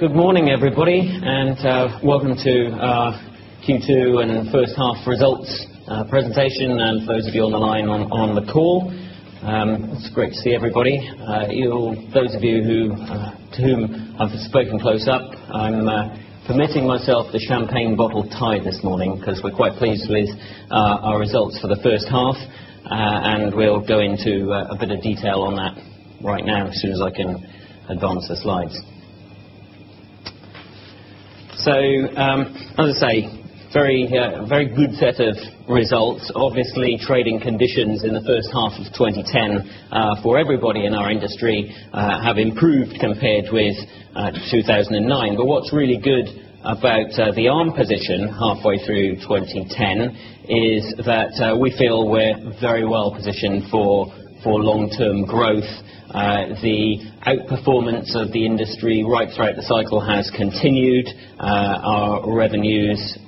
Okay. Good morning, everybody, and welcome to, Q2 and first half results presentation and those of you on the line on the call. It's great to see everybody. Those of you who to whom I've spoken close-up. I'm, fermenting myself the champagne bottle tide this morning because we're quite pleased with our results for the first half, and we'll go into a bit of detail on that right now as soon as I can advance the slides. So, as I say, very, very good set of results, obviously trading conditions in the first half of twenty ten for everybody in our industry, have improved compared with 2009. But what's really good about the ARM position halfway through 2010 is that we feel we're very well positioned for long term growth the outperformance of the industry right throughout the cycle has continued. Our revenues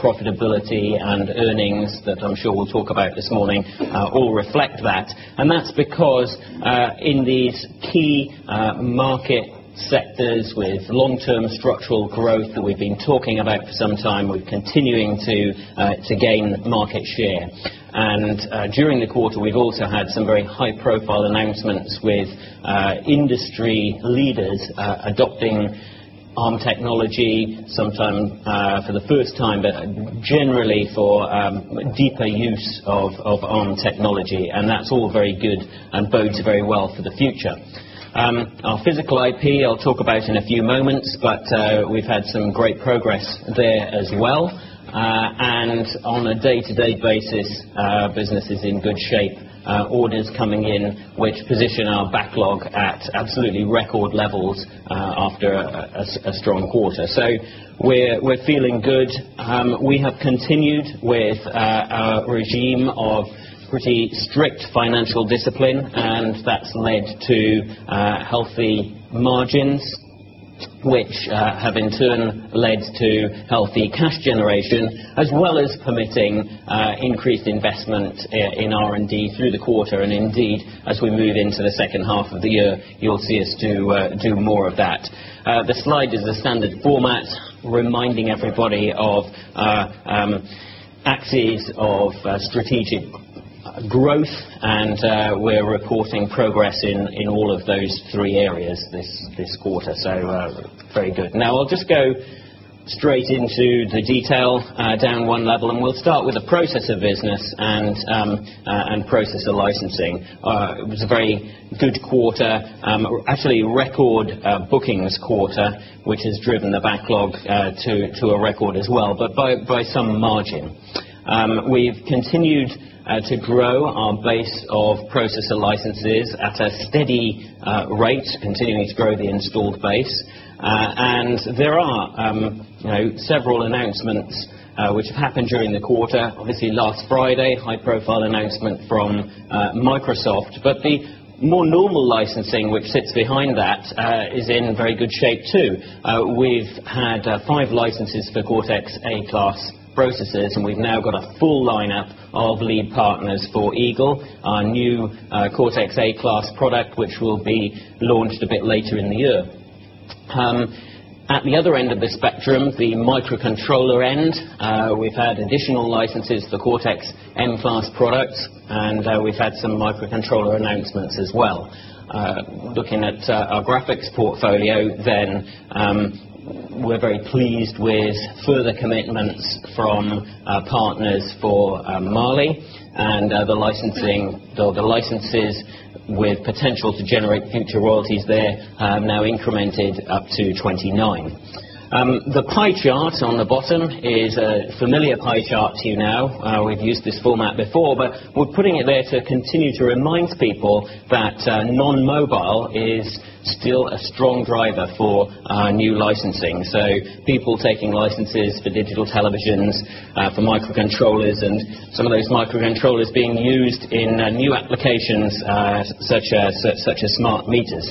profitability and earnings that I'm sure we'll talk about this morning all reflect that. And that's because in these key market sectors with long term structural growth that we've been talking about for some time. We're continuing to gain market share. And during the quarter, we've also had some very high profile announcements with industry leaders adopting arm technology, some fun for the first time, but generally for deeper use of of ARM technology, and that's all very good and bodes very well for the future. Our physical IP, I'll talk about in a few moments, but we've had some great progress there as well. And on a day to day basis, business is in good shape. Orders coming in, which position our backlog at absolutely record levels after a strong quarter. So we're feeling good. We have continued with a regime of pretty strict financial discipline, and that's led to healthy margins, which have in turn led to healthy cash generation as well as permitting increased investment in R&D through the quarter and indeed as we move into the second half of the year, you'll see us do more of that. The slide is a standard format reminding everybody of axes of strategic growth, and, we're reporting progress in all of those three areas. This this quarter. So very good. Now I'll just go straight into the detail down one level, and we'll start with a process of business. And and Processor Licensing, it was a very good quarter, actually record booking this quarter which has driven the backlog to a record as well. But by some margin, we've continued to grow our base of processor licenses at a steady rates, continuing to grow the installed base. And there are, several announcements, which have happened during the quarter, obviously, last Friday, high profile announcement from Microsoft, but the more normal licensing, which sits behind that, is in very good shape, too, with had 5 licenses for Cortex A Class Processes, and we've now got a full lineup of lead partners for Eagle. Our new, Cortex A class product, which will be launched a bit later in the year. At the other end of this room, the microcontroller end, we've had additional licenses, the Cortex MFAS products, and we've had some microcontroller announcements as well. Looking at our graphics portfolio, then, we're very pleased with further commitments from partners for Mali and the licensing the licenses with potential to generate future royalties there now incremented up to 29. The pie chart on the bottom is a familiar pie chart to you now. We've used this format before, but we're putting it there to continue to remind people that non mobile is still a strong driver for our new licensing. So people taking licenses for digital televisions for microcontrollers and some of those microcontrollers being used in new applications, such as smart meters.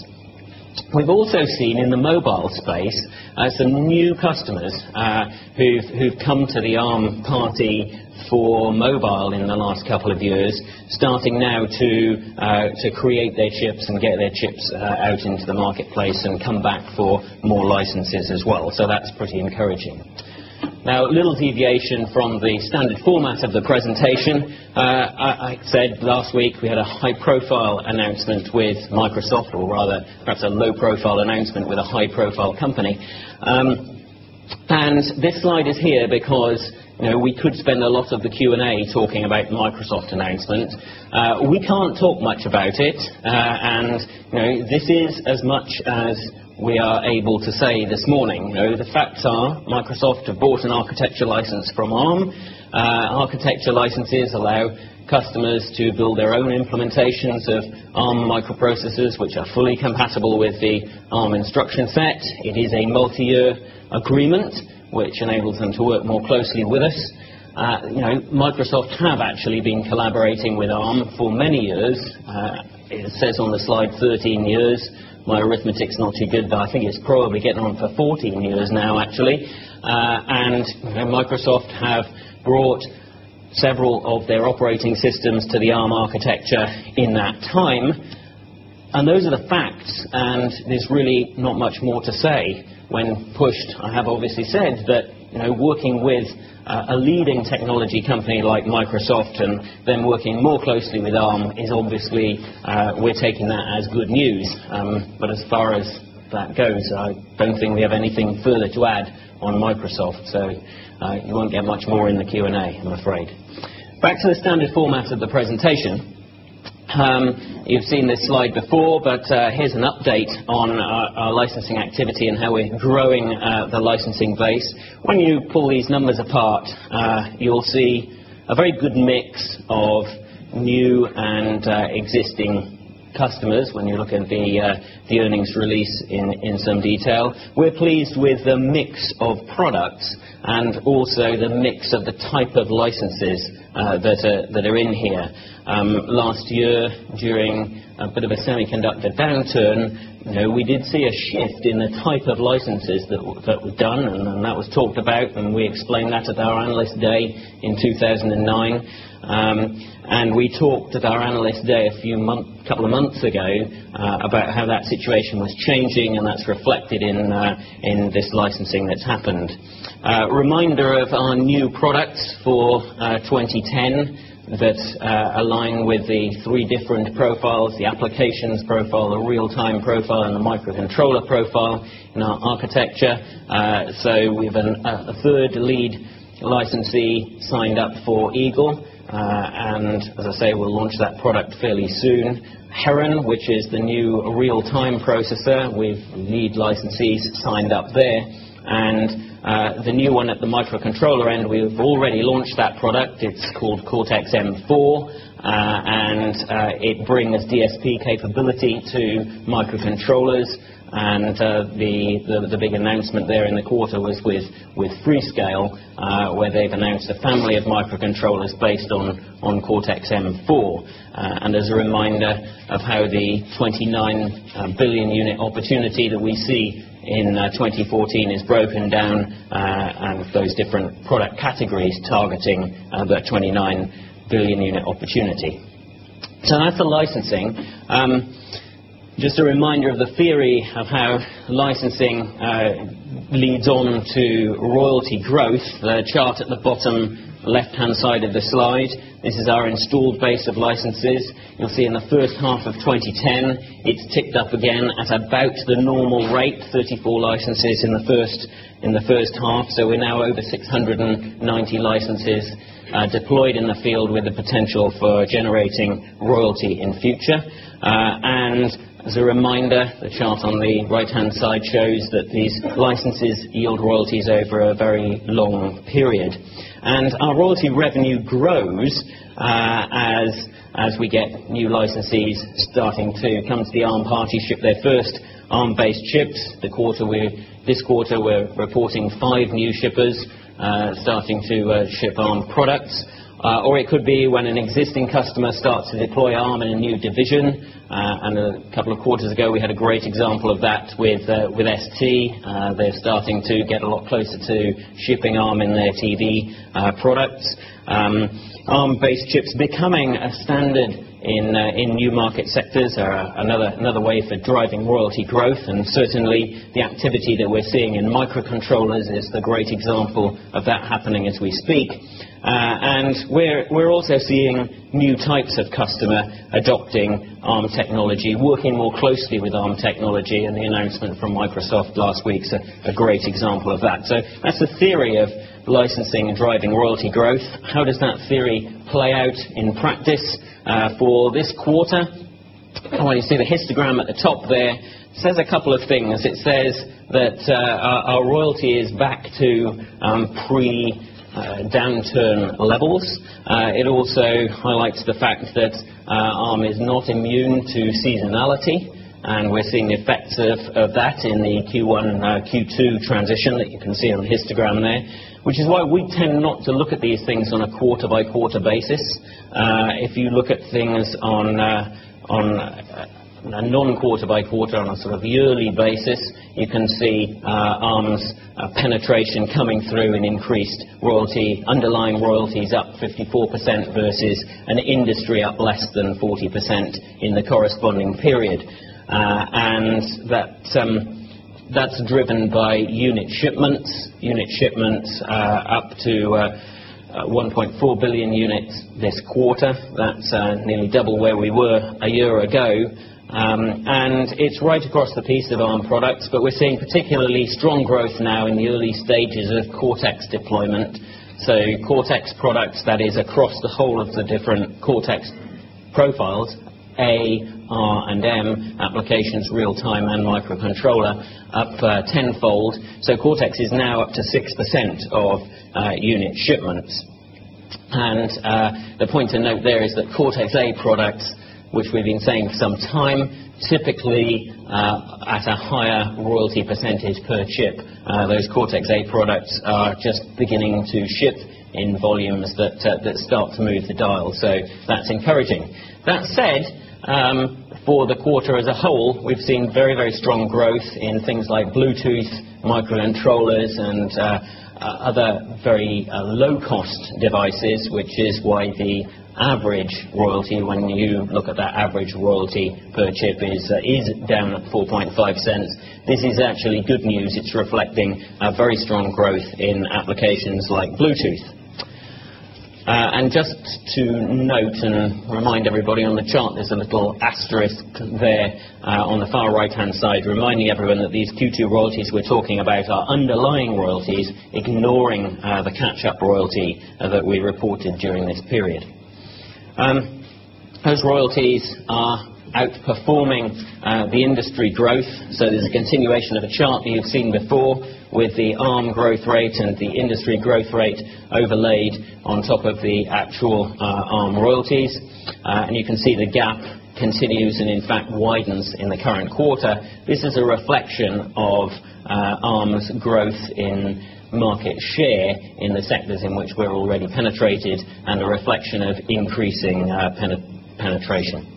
We've also seen in the mobile space, some new customers who've come to the armed party for mobile in the last couple of years starting now to create their chips and get their chips out into the marketplace and come back for more licenses as well. So that's pretty encouraging. Now a little deviation from the standard format of the presentation, I said last week, we had a high profile announcement with Microsoft or rather that's a low profile announcement with a high profile company. And this slide is here because we could spend a lot of the Q and announcement. We can't talk much about it, and this is as much as we are able to say this morning know, the facts are Microsoft have bought an architecture license from Arm. Architecture licenses allow customers to build their own implementations of arm microprocessors, which are fully compatible with the arm instruction set. It is a multi year agreement, which enables them to work more closely with us. Microsoft have actually been collaborating with Arm for many years, it says on the slide 13 years, my arithmetic is not too good, but I think it's probably getting on for 14 years now, actually, and Microsoft have brought several of their operating systems to the ARM architecture in that time. And those are the facts, and there's really not much more to say when pushed, I have obviously said that working with a leading technology company like Microsoft and then working more closely with ARM is obviously we're taking that as good news. But as far as that goes, I don't think we have anything further to add on Microsoft. So You won't get much more in the Q And A, I'm afraid. Back to the standard format of the presentation, if seen this slide before, but here's an update on our licensing activity and how we're growing the licensing base. When you pull these numbers apart, you'll see a very good mix of new and existing customers when you look at the the earnings release in some detail. We're pleased with the mix of products and also the mix of the type of licenses that are in here. Last year, during a bit of a semiconductor downturn, we did see a shift in the type of licenses that we've done. And that was talked about, and we explained that at our Analyst Day in 2009. And we talked at our Analyst Day a few couple of months ago about how that situation was changing, and that's reflected in in this licensing that's happened. A reminder of our new products for 2010 that's, aligned with the 3 different ProPro as the applications profile, the real time profile and the microcontroller profile in our architecture. So we have a third lead licensee signed up for Eagle. And as I say, we'll launch that product fairly soon, Heron, which is the new real time processor. We've lead licensees signed up there. And, the new one at the microcontroller end, we've already launched that product. It's called CorteX M4, and it brings DSP capability to microcontrollers. And the big announcement there in the quarter was with with Freescale, where they've announced the family of microcontroller is based on core XM4. And as a reminder, of how the 29,000,000,000 unit opportunity that we see in 2014 is broken down, categories targeting about 29,000,000,000 unit opportunity. So now for licensing, Just a reminder of the theory of how licensing leads on to royalty growth chart at the bottom left hand side of the slide. This is our installed base of licenses. You'll see in the first half of twenty ten, it's ticked up again at about the normal rate 34 licenses in the first half. So we're now over 690 licenses deployed in the field with the potential for generating royalty in future. And as a reminder, chart on the right hand side shows that these licenses yield royalties over a very long period. And our royalty revenue grows, as we get new licensees starting to come to the armed party ship, their 1st ARM based ships, the quarter we're This quarter, we're reporting 5 new shippers, starting to ship on products, or it could be when an existing customer start deploy arm in a new division. And a couple of quarters ago, we had a great example of that with ST. They starting to get a lot closer to shipping arm in their TV products. Arm based chips becoming a standard in new market sectors are another way for driving royalty growth. And certainly, the activity that we're seeing in microcontrollers is the great example of that happening as we speak. And we're also seeing new types of customer adopting ARM Technology working more closely with technology and the announcement from Microsoft last week is a great example of that. So that's the theory of licensing and driving royalty growth. How does that theory play out in practice, for this quarter. I want to see the histogram at the top there. It says a couple of things. It says that our royalty is back to pre downturn levels. It also highlights the fact that arm is not immune to seasonality, and we're seeing the effects of that in the Q1, Q2 transition that you can see on histogram there. Which is why we tend not to look at these things on a quarter by quarter basis. If you look at things on a non quarter by quarter on a sort of yearly basis, you can see our arms penetration coming through and increased royalty, underlying royalties up 54% versus an industry up less than 40% in the corresponding period, and that that's driven by unit shipments, unit shipments, up to 1,000,000,000 units this quarter. That's nearly double where we were a year ago. And it's right across the piece of our but we're seeing particularly strong growth now in the early stages of core tax deployment. So core tax products that is across the whole of the different core tax profiles, AR and M, applications, real time and microcontroller, up tenfold. So cortex is now up to 6% of unit shipments. And, the point to note there is that Port FA products, which we've been saying some time typically, at a higher royalty percentage per chip, those Cortex A products are just beginning to ship in volumes that start to move the dial. So that's encouraging. That said, for the quarter, as a whole, we've seen very, very strong growth in things like Bluetooth microcontrollers and other very low cost devices, which is why the average royalty when you look at that average royalty per chip is down 4.5%. This is actually good news. It's reflecting very strong growth in applications like Bluetooth. And just to note and remind everybody on the chart, there's a little characteristic there on the far right hand side, reminding everyone that these Q2 royalties, we're talking about are underlying royalties ignoring the catch up royalty that we reported during this period. Those royalties are outperforming the industry growth. So there's a continuation of a chart that you've seen before with the ARM growth rate and the industry growth rate overlaid on top of the actual arm royalties. And you can see the gap continues and, in fact, widens in the current quarter. This is a reflection of, arms growth in market share in the sectors in which we're already penetrated and a reflection of increasing penetration.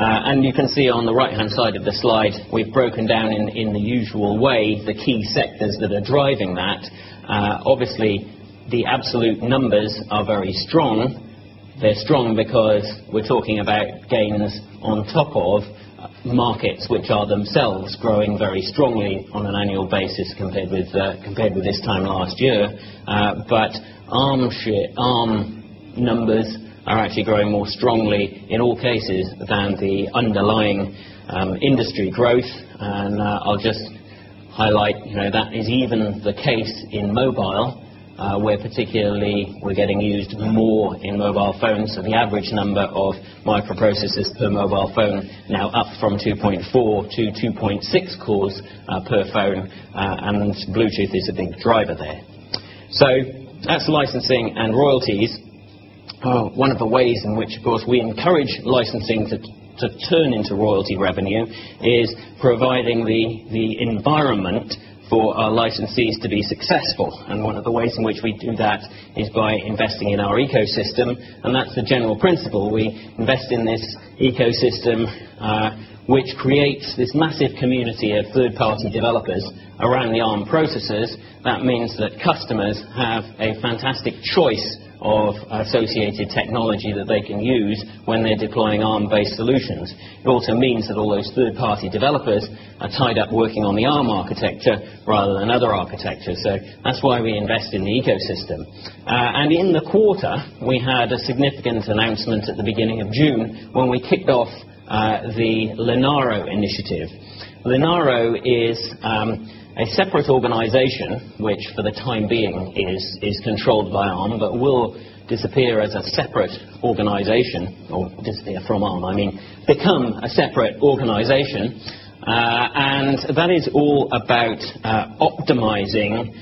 And you can see on the right hand side of the slide, we've broken down in the usual way the key sectors that are driving that, obviously, the absolute numbers are very strong. They're strong because we're talking about gamers on top of markets, which are themselves growing very strongly on an annual basis compared with this time last year, but arm sheet, arm numbers are actually growing more strongly in all cases than the underlying industry growth. And I'll just highlight that is even the case in mobile, where particularly we're getting used more in mobile phones. So the average number of microprocesses per mobile phone now up from 2.4to2.6 cores per phone, and Bluetooth is a big driver there. So that's licensing and royalties, one of the ways in which, of course, we encourage licensing to turn into royalty revenue is providing the environment for our licensees to be successful. And one of the ways in which we do that is by investing in our ecosystem And that's the general principle. We invest in this ecosystem, which creates this massive community of third party developers around the armed processes That means that customers have a fantastic choice of associated technology that they can use when they're deploying ARM based solutions. Also means that all those 3rd party developers are tied up working on the ARM architecture rather than other architecture. So that's why we invest in the ecosystem. And in the quarter, we had a significant announcement at the beginning of June when we kicked off the Lenaro initiative Vinaro is, a separate organization, which, for the time being, is controlled by Honor, but will disappear as a separate organization or disappear from arm, I mean, become a separate organization And that is all about optimizing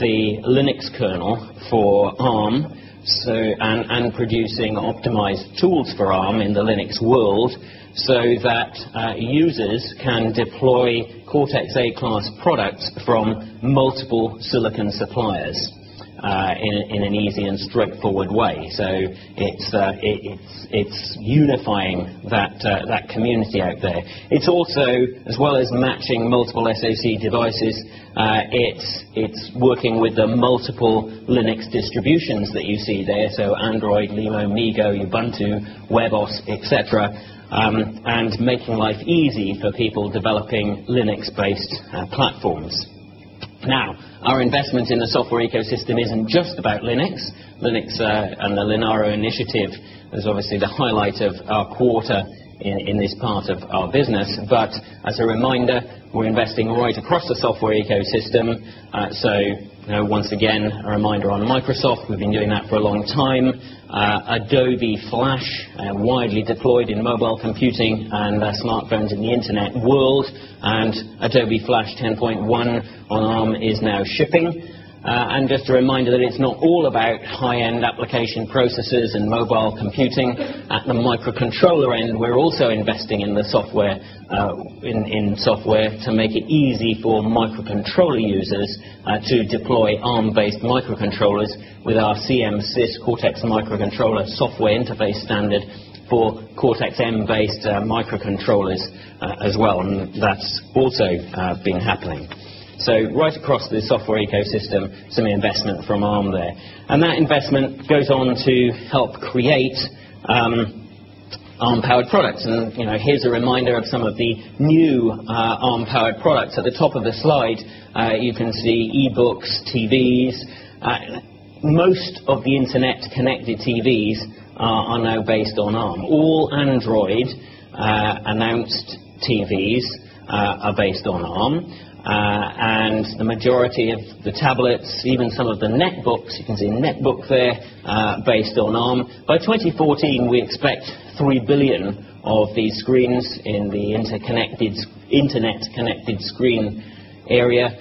the Linux kernel for ARM, so and producing optimized tools for Arm in the Linux world so that users can deploy Cortex A class products from multiple silicon suppliers, in an easy and straightforward way. So it's, it's unifying that, that community out there. It's also, as well as matching multiple SAC devices It's working with the multiple Linux distributions that you see there. So Android, Livo, Migo, Ubuntu, WebOS, etcetera. And making life easy for people ecosystem isn't just about Linux. Linux and the Lynaro initiative is obviously the highlight of our quarter in this part of our business. But as a reminder, we're investing right across the software ecosystem. So Once again, a reminder, on Microsoft, we've been doing that for a long time, Adobe Flash widely deploy in mobile computing and smart phones in the internet world. And Adobe Flash 10.1 alarm is now shipping. And just a reminder that it's not all about high end application processes and mobile computing. At the microcontroller end, we're also investing in the software in software to make it easy for microcontroller users to deploy ARM based microcontrollers with our CMC cortex microcontroller software interface standard for cortex M based microcontrollers as well, and that's also been happening. So right across the software ecosystem, some investment from Arm there. And that investment goes on to help create, armpowered products. And here's a reminder of some of the new, onpowered products. At the top of the slide, you can see eBooks, TVs, Most of the internet connected TVs are now based on Arm, all Android announced TVs, are based on Arm, and the majority of the tablets, even some of the net books you can see net book there, based on ARM. By 2014, we expect 1,000,000,000 of these screens in the interconnected internet connected screen area.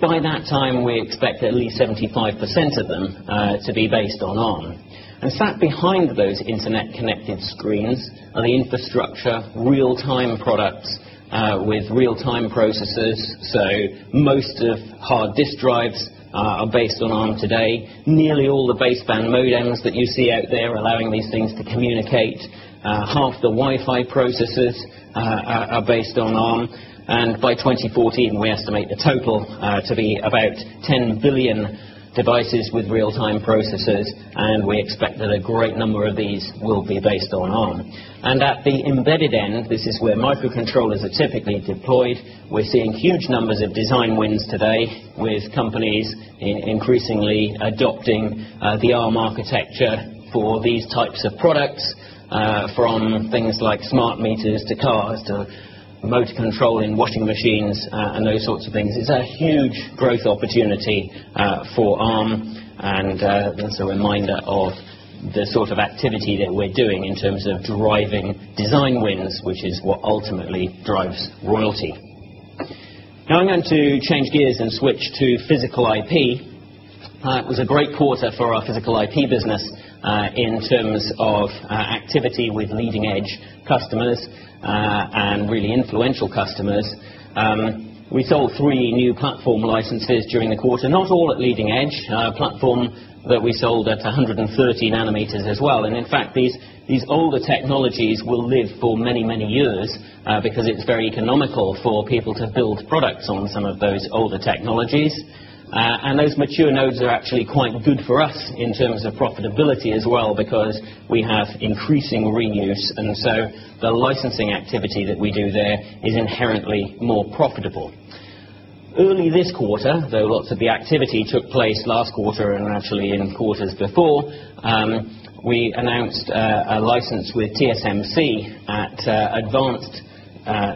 By that time, we expect at least 75% of them, to be based on on. And sat behind those internet connected screens are the infrastructure real time products with real time processes. So most of hard disk drives are based on arm today, nearly all the baseband modems that you see out there, allowing these things to communicate half the Wi Fi processes are based on ARM. And by 2014, we estimate the total to be about 1,000,000,000 devices with real time processes, and we expect that a great number of these will be based on on. And at the embedded end, this is where microcontrollers are typically deployed. We're seeing huge numbers of design wins today with companies increasingly adopting the ARM architecture for these types of products, from things like smart meters to cars to motor control in washing machines and those sorts of things. It's a huge growth opportunity for Arm. And, and so a reminder of the sort of activity that we're doing in terms of driving design wins, which is what ultimately drives royalty. Now I'm going to change gears and switch to physical IP, It was a great quarter for our physical IP business, in terms of activity with Leading Edge customers. And really influential customers. We sold 3 new platform licenses during the quarter, not all at Leading Edge, our platform that we sold at 100 and 13 nanometers as well. And in fact, these older technologies will live for many, many years because it's very economical for people to build products on some of those older technologies. And those mature nodes are actually quite good for us in terms of ability as well because we have increasing reuse. And so the licensing activity that we do there is inherently more profitable. Early this quarter, though lots of the activity took place last quarter and actually in quarters before, we announced a license with TSMC at advanced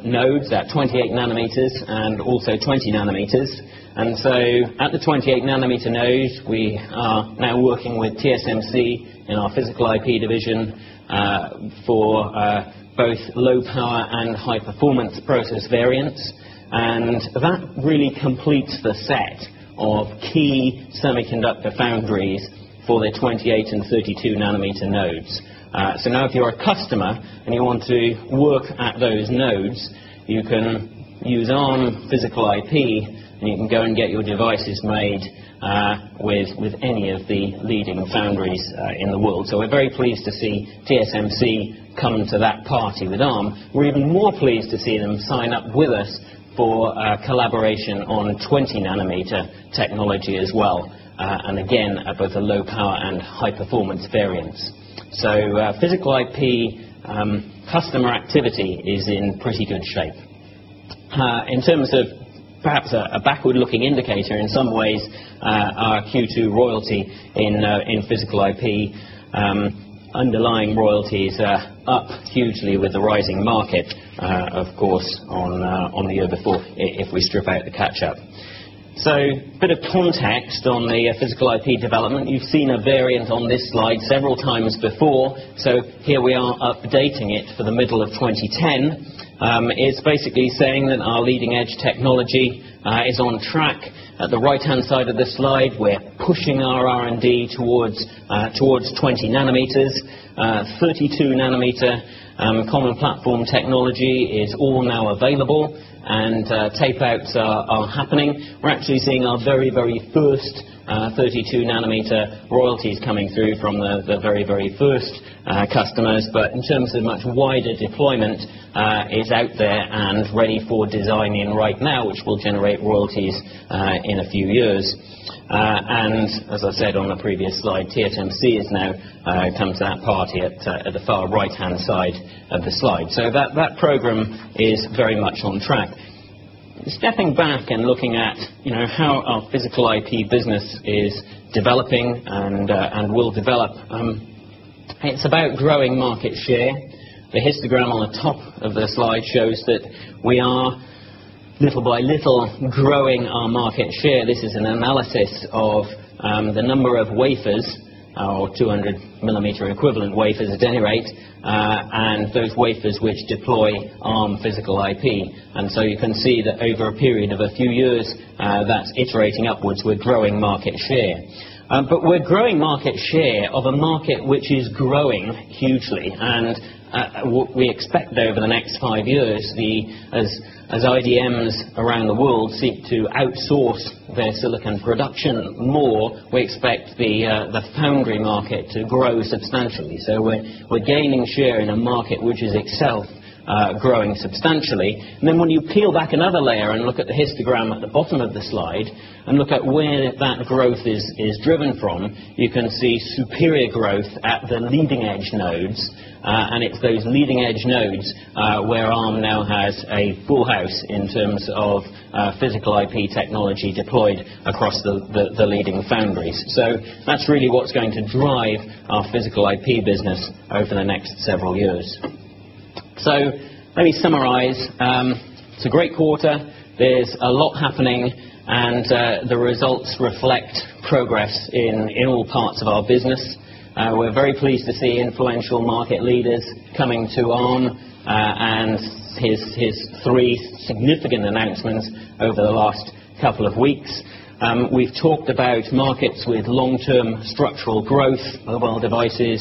nodes at 28 nanometers and also 20 nanometers. And so at the 28 nanometer nodes, we are now working with TSMC in our physical IP division for both low power and high performance process variance. And that really completes the set of key semiconductor foundries for the 2832 nanometer nodes. So now if you're a customer and you want to work at those nodes, you can use on physical IP and you can go and get your devices made with any of the leading foundries in the world. So we're very pleased to see TSMC coming to that party with Arm. We're even more pleased to see them sign up with us for collaboration on 20 nanometer technology as well. And, again, at both a low power and high performance variance. So physical IP, customer activity is in pretty good shape. In terms of perhaps a backward looking indicator, in some ways, our Q2 Royalty in physical IP, underlying royalties are up hugely with the rising market, of course, on the year before if we strip out the catch up. So bit of context on the physical IP development, you've seen a variance on this slide several times before. So Here, we are updating it for the middle of 2010, is basically saying that our leading edge technology is on track At the right hand side of this slide, we're pushing our R and D towards, towards 20 nanometers, 32 nanometer common platform technology is all now available and tape outs are happening. We're actually seeing our very, very first 32 nanometer royalties coming through from the very, very first customers. But in terms of much wider deployment, is out there and ready for designing right now, which will generate royalties in a few years. And as I said on the previous slide, Tier 10 see is now, come to that party at the far right hand side of the slide. So that program is very much on track. Stepping back and looking at how our physical IP business is developing and will develop, It's about growing market share. The histogram on the top of the slide shows that we are little by little growing our market share, this is an analysis of, the number of wafers or 200 millimeter equivalent wafers at any rate, and those wafers which deploy on physical IP. And so you can see that over a period of a few years, that's iterating upwards. We're growing market share. But we're growing market share of a market which is growing hugely. And what we expect over the next 5 years, the, as IDMs around the world seek to outsource their silicon production more, we expect the foundry market to grow substantially. So we're gaining share in a market, which is itself growing substantially. And then when you peel back another layer and look at the histogram at the bottom of the slide and look at where that growth is driven from, you can see superior growth at the leading edge nodes, and it's those leading edge nodes where Arm now has a full house in terms of physical IP technology deployed across the leading foundries. So that's really what's going to drive our physical IP business over the next several years. So let me summarize, it's a great quarter. There's a lot happening and the results reflect progress in all parts of our business. We're very pleased to see influential market leaders coming to on and his 3 significant announcements over the last couple of weeks. We've talked about market with long term structural growth, mobile devices,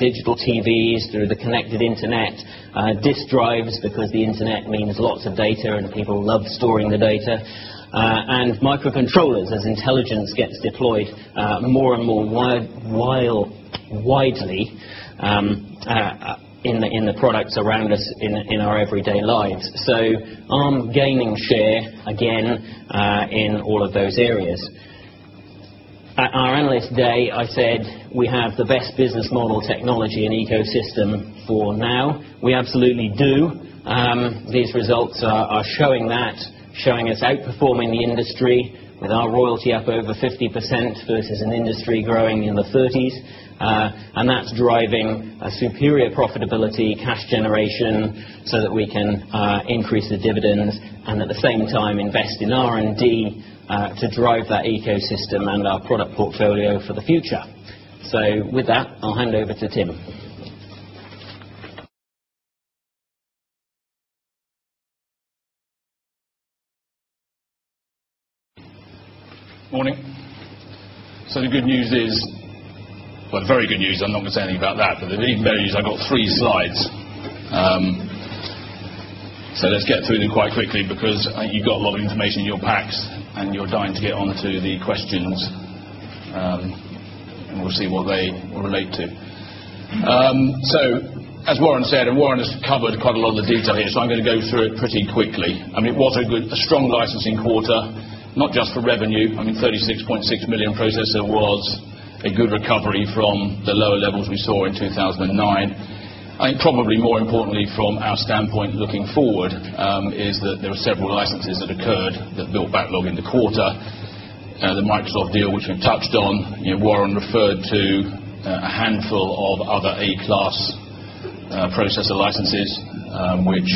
digital TVs through the connected internet, drives because the internet means lots of data and people love storing the data, and microcontrollers as intelligence gets deployed more and more wild, widely, in the products around us in our everyday lives. So aren't gaining share, again, in all of those areas. At our Analyst Day, I said, we have the best business model technology and ecosystem for now. We absolutely do. These results are showing that showing us outperforming the industry with our royalty up over 50% versus an industry growing in the 30s, and that's driving superior profitability, cash generation so that we can increase the dividends. And at the same time, invest in R&D to drive that ecosystem and our product portfolio for the future. So with that, I'll hand over to Tim. Morning? So the good news is well, very good news. I'm not going to say anything about that, but the big values, I've got three slides. So let's get to it in quite quickly because you've got a lot of information in your packs and you're dying to get on to the questions. And we'll see what they will relate to. So as Warren said, and Warren has covered quite a lot of the detail here. So I'm going to go through it pretty quickly. I mean, what a good strong licensing quarter, not just for revenue, I mean, 36,600,000 processor was a good recovery from the lower levels we saw in 2009. Probably, more importantly, from our standpoint, looking forward, is that there are several licenses that occurred that build backlog in the quarter. The Microsoft deal, which we've touched on, Warren referred to a handful of other A class processor licenses, which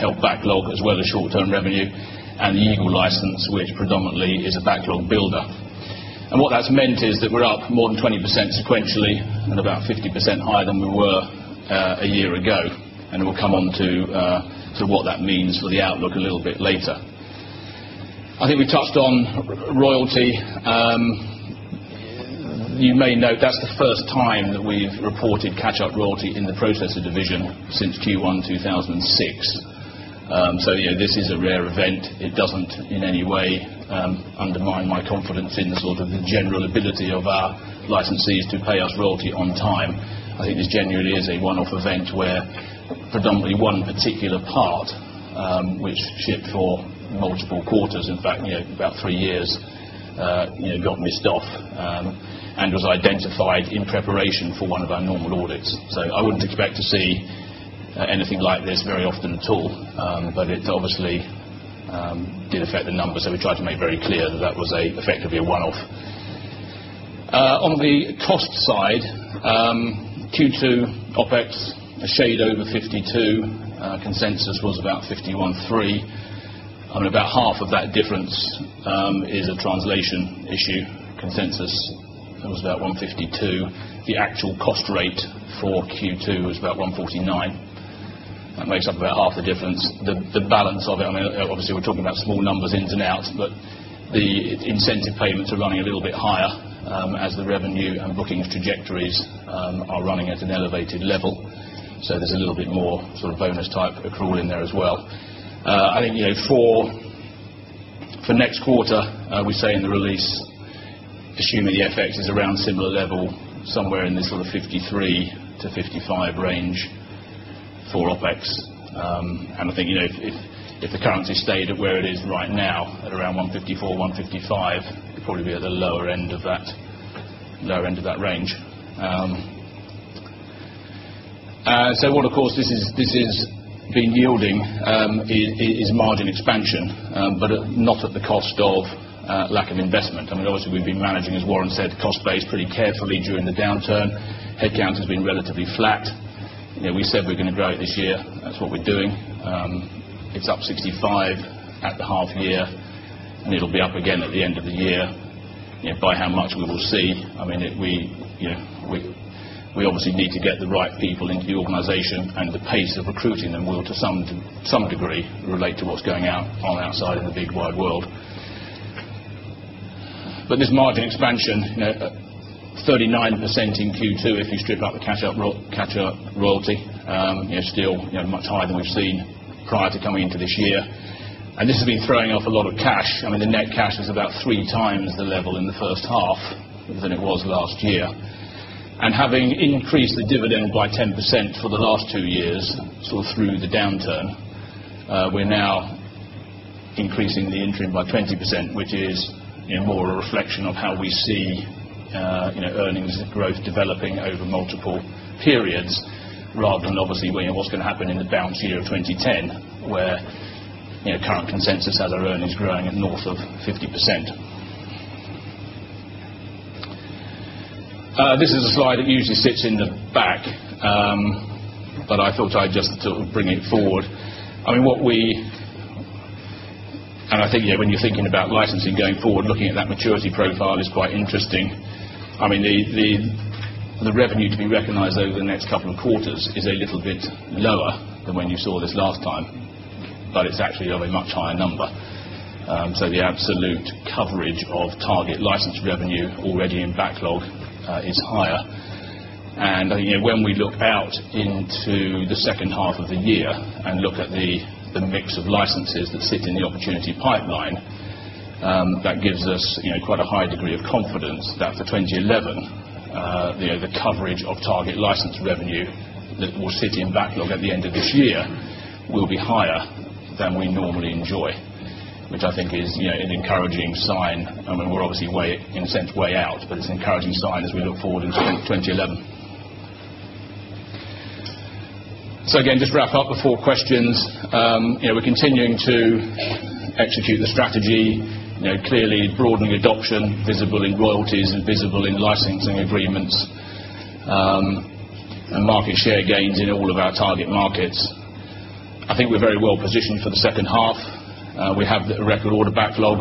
help backlog as well as short term revenue and the Eagle license, which predominantly is a backlog builder. And what that's meant is that we're more than 20% sequentially and about 50% higher than we were a year ago, and it will come on to to what that means for the outlook a little bit later. I think we touched on royalty, You may note, that's the first time that we've reported catch up royalty in the Processor division since Q1 2006. So this is a rare event. It doesn't in any way undermine my confidence in the sort of the general ability of our licenses to pay us royalty on time. I think this generally is a one off event where predominantly one particular part, which shipped for multiple quarters. In fact, about 3 years got missed off, and was identified in preparation for one of our normal audits. So I wouldn't expect to see anything like this very often at all, but it obviously did affect the numbers. So we tried to make very clear that that was a effect be a one off. On the cost side, Q2 OpEx a shade over 52 Consensus was about 513. I mean, about half of that difference is a translation issue consensus. Was about 152. The actual cost rate for Q2 was about 149. That makes up about half the difference. The balance obviously, we're talking about small numbers in and out, but the incentive payments are running a little bit higher, as the revenue and booking trajectories are running at an elevated level. So there's a little bit more sort of bonus type accrual in there as well. I think 4 For next quarter, we say in the release, assuming the FX is around similar level, somewhere in this sort of 53 to 55 range. 4 OpEx. And I think if the currency stayed at where it is right now at around 154, 155, it'd probably be at the lower end of that. Low end of that range. So what, of course, this has been yielding, is marginal expansion, but not at the cost of lack of investment. I mean, obviously, we've been managing, as Warren said, cost base pretty carefully during the downturn. Headcount has been relatively flat. We said we're going to grow it this year. That's what we're doing. It's up 65 at the half year, and it'll be up again at the end of the year. By how much we will see. I mean, we, we obviously need to get the right people into the organization and the pace of recruiting them will to some degree relate to what's going on outside of the big, wide world. But this margin expansion, 39% in Q2, if you strip up the catch up royalty, it's still much higher than we've seen prior to coming into this year. This has been throwing off a lot of cash. I mean, the net cash is about three times the level in the first half than it was last year. And having increased the dividend by 10% for the last 2 years sort of through the downturn, we're now increasing the interim by 20%, which is more a reflection of how we see earnings growth developing over multiple periods. Rather than obviously what's going to happen in the balance year of 2010, where current consensus has our earnings growing in north of 50%. This is a slide that usually sits in the back, but I thought I'd just bring it forward. Mean, what we and I think, yeah, when you're thinking about licensing going forward, looking at that maturity profile is quite interesting. I mean, the revenue to be recognized over the next couple of quarters is a little bit lower than when you saw this last time. But it's actually only much higher number. So the absolute coverage of target license revenue already in backlog is higher. And when we look out into the second half of the year and look at the the mix of licenses that sit in the opportunity pipeline, that gives us quite a high degree of confidence that for 2011 the coverage of target license revenue that will sit in backlog at the end of this year will be higher than we normally enjoy. Which I think is an encouraging sign. I mean, we're obviously way incent way out, but it's encouraging sign as we look forward into 2011. So again, just wrap up before questions. We're continuing to execute the strategy. Clearly, broadly, visible in royalties and visible in licensing agreements, and market share gains in all of our target markets. Think we're very well positioned for the 2nd half. We have record order backlog,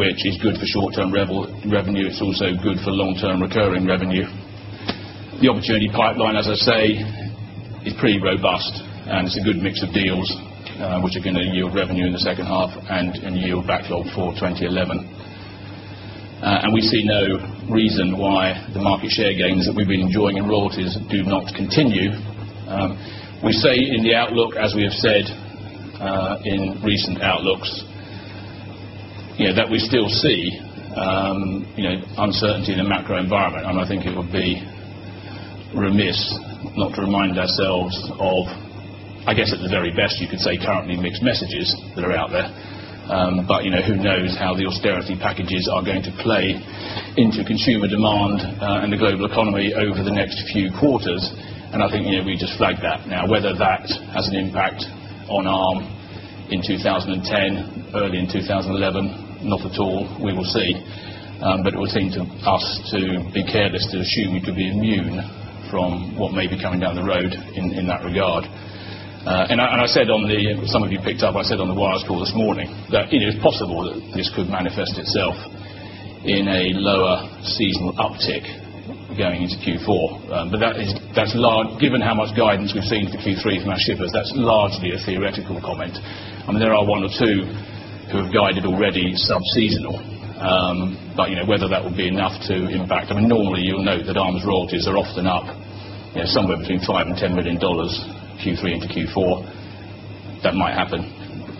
which is good for short term rebel revenue. It's also good for long term recurring revenue. The opportunity pipeline, as I say, is pretty robust and it's a good mix of deals. Which are going to yield revenue in the second half and yield backlog for 2011. And we see no reason why the March share gains that we've been enjoying in royalties do not continue. We say in the outlook, as we have said, in recent outlooks, that we still see, uncertainty in a macro environment, and I think it would be remiss not to remind ourselves of, I guess, at the very best, you can say currently mixed messages that are out there. But who knows how the austerity packages are going to play into consumer demand and the global economy over the next few quarters? I think, yeah, we just flagged that. Now, whether that has an impact on ARM in 2010, early in 2011, not at all, we will see. But it would seem to us to be careless to assume we could be immune from what may be coming down the road in that regard. And I said on the some of you picked up, I said on the wireless call this morning that it is possible that this could manifest itself in a lower seasonal uptick going into Q4. But that is given how much guidance we've seen for Q3 from our shippers, that's largely a theoretical comment I mean, there are 1 or 2 who have guided already sub seasonal. But whether that would be enough to impact, I mean, normally, you'll note that arms royalties are often up somewhere between $5,000,000 $10,000,000 Q3 into Q4. That might happen.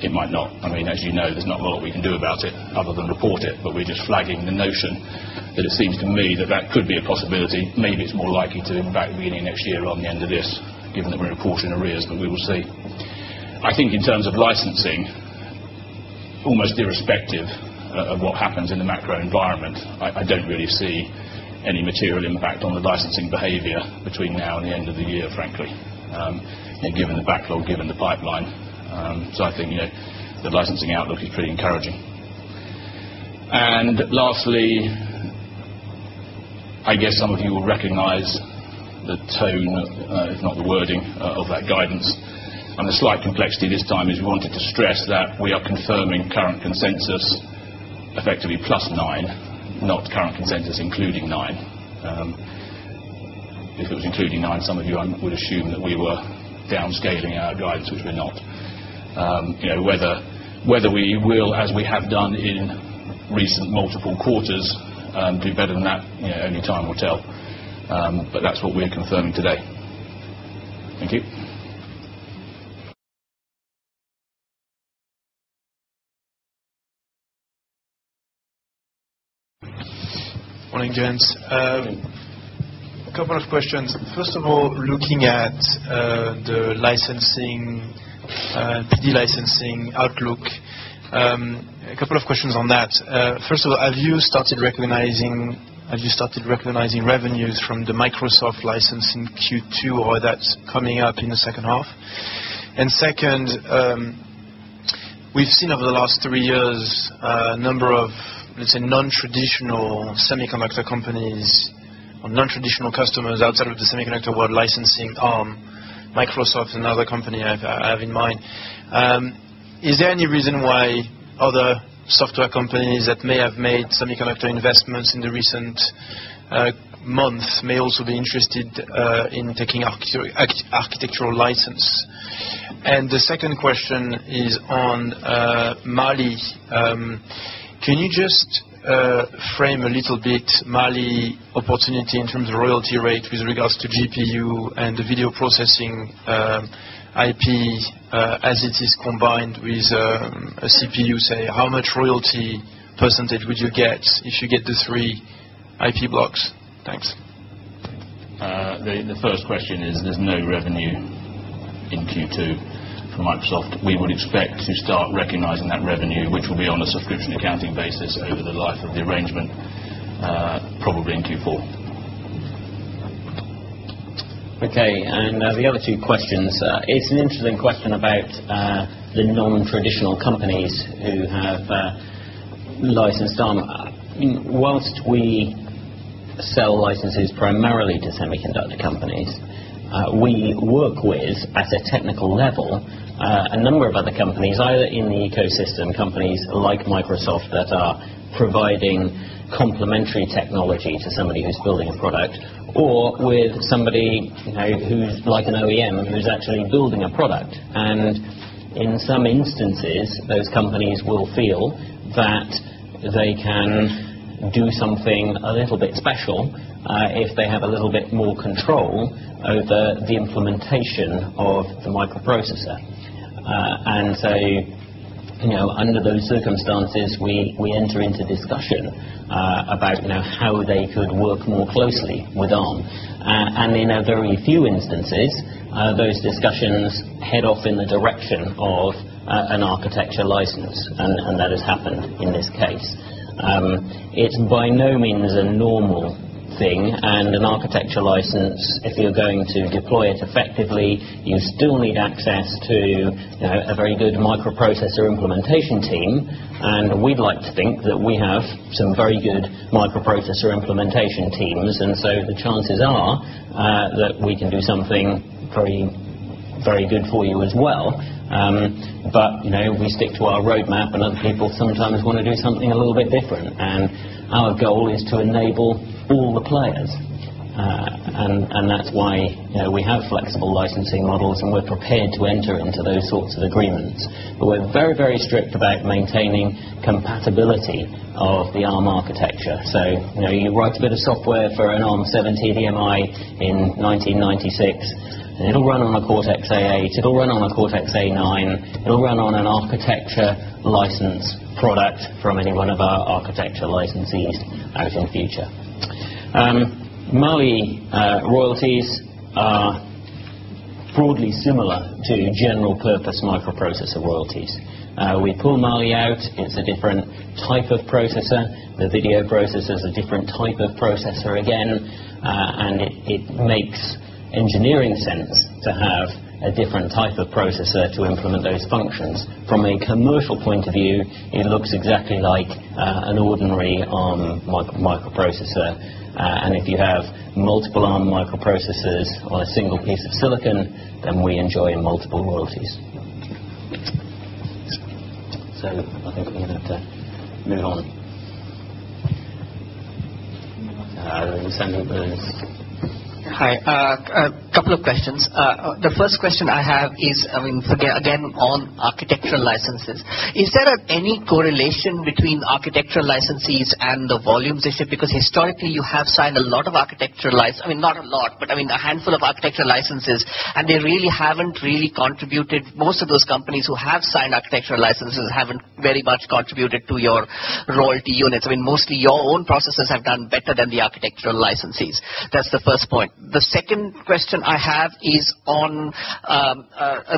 It might not. I mean, as you know, there's not a lot we can do about it other than report it, but we just giving the notion that it seems to me that that could be a possibility, maybe it's more likely to impact really next year along the end of this, given that we're reporting arrears, but we will see. I think in terms of licensing, almost irrespective of what happens in the macro environment, I don't really see any material impact on the licensing behavior between now and the end of the year, frankly, given the backlog, given the pipeline. So I think the licensing outlook is pretty encouraging. And lastly, I guess some of you will recognize the tone, if not the wording of that guidance. And the slight complexity this time is we wanted to stress that we are confirming current consensus effectively plus 9, not current consensus, including 9. If it was including 9, some of you would assume that we were downscaling our guidance, which we're not. Whether we will, as we have done in recent multiple quarters, and do better than that, only time will tell. But that's what we are confirming today. Good morning gents. Couple of questions. First of all, looking at the licensing, the de licensing outlook, A couple of questions on that. First of all, have you started recognizing have you started recognizing revenues from the Microsoft license in Q2 or that's coming up in the second half. And second, we've seen over the last 3 years, number of it's a non traditional semiconductor companies or nontraditional customers outside of the semiconductor world licensing. Microsoft and other company I have in mind. Is there any reason why other software companies that may have made semiconductor investments in the recent months may also be interested in taking architecture, architectural license And the second question is on Mali. Can you just frame a little bit Mali opportunity in terms of royalty rate with regards to GPU and the video processing, IP, as it is combined with a CPU, you say, how much royalty percentage would you get if you get the 3 IP blocks? The first question is there's no revenue in Q2 from Microsoft. We would expect to start recognizing that revenue, which will be on a subscription accounting basis. Over the and about, the known traditional companies who have, licensed on, whilst we cell licenses, primarily to Semiconductor Companies, we work with at a technical level a number of other companies, either in the ecosystem companies like Microsoft that are providing complimentary technology to somebody who's building a product or with somebody who's like an OEM who's actually building a product. And in some instances, those companies will feel that they can do something a little bit special, if they have a little bit more control, over the implementation of the microprocessor. And so under those circumstances, we enter into discussion about how they could work more closely with ARM. And in a very few instances, those discussions head off in the direction of an architecture license, and that has happened in this case. It's by no means a normal thing and an architecture license, if you're going to deploy it effectively, you still need access to a very good microprocessor implementation team, and we'd like to think that we have some very good micro our implementation teams. And so the chances are, that we can do something very, very good for you as well. But we stick to our roadmap and other people sometimes want to do something a little bit different. And our goal is to enable all the players. And that's why we have flexible licensing models, and we're prepared to enter into those sorts of agreements. But we're very, very strict about maintaining compatibility of the ARM architecture. So you write a bit of software for an ARM 70, the MI in 1996. And it'll run on a Court XAA. It'll run on a Court X A9. It'll run on an architecture license product from any one of our architectural licensees out in the future. Moi, royalties are broadly similar to general purpose microprocessor royalties. We pull Mali out. It's a different type of processor. The video process has a different type of processor again, and it makes engineering sense to have a different type of processor to implement those functions. From a commercial point of view, it looks exactly like an ordinary on microprocessor. And if you have multiple alarm microprocesses or a single piece of silicon, then we enjoy multiple royalties. So I think we're going to move on. Couple of questions. The first question I have is, I mean, again, on architecture licenses. Is there any correlation between architecture licensees and the volumes issue because historically, you have signed a lot of architectural I mean, not a lot, but, I mean, a handful of architectural licenses and they really haven't really contributed most of those companies who have signed architectural licenses haven't very much contributed to your royalty units. I mean mostly your own processes have done better than the architectural licensees. That's the first point. The second question I have is on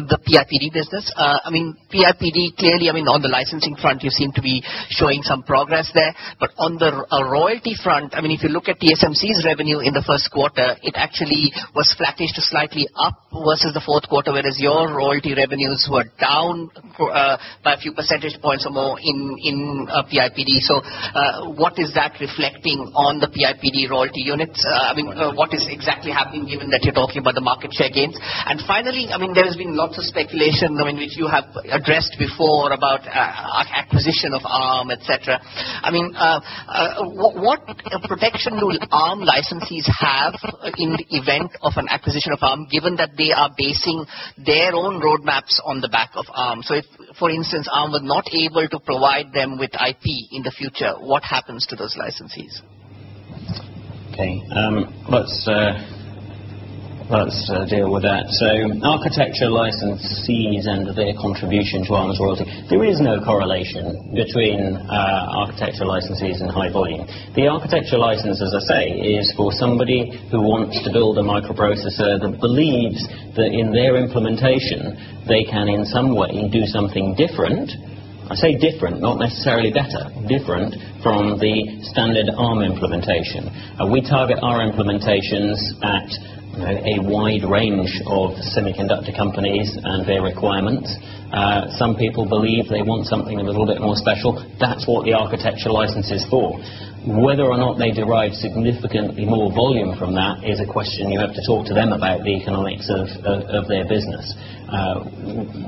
the PRPD business. I mean, PRPD clearly, I mean, on the licensing front, you seem to be showing some progress there, but on the a royalty front, I mean, if you look at TSMC's revenue in the first quarter, it actually was flattish to slightly up versus the fourth quarter, whereas your royalty revenues were down by a few percentage points or more in a PIPD. So what is that reflecting on the PIPD royalty units? I mean, what is exactly given that you're talking about the market share gains. And finally, I mean, there has been lots of speculation, I mean, which you have addressed before about acquisition of ARM, etcetera, I mean, what protection will armed licensees have in the event of an acquisition of Arm given that they are basing their own roadmap on the back of, so if, for instance, Arm was not able to provide them with IP in the future, what happens to those licensees? Okay. Let's, let's deal with that. So architecture licensees end of their contribution to ours royalty. Is no correlation between our architecture licensees and high volume. The architectural license, as I say, is for somebody who wants the microprocessor that believes that in their implementation, they can, in some way, do something different, I say different, not necessarily better, different, from the standard arm implementation. We target our implementations at a wide range of Semiconductor Companies and their requirements. Some people believe they want something that was a little bit more special. That's what the architectural license is for. Whether or not they derived significantly more volume from that is a question you have to talk to them about the economics of their business.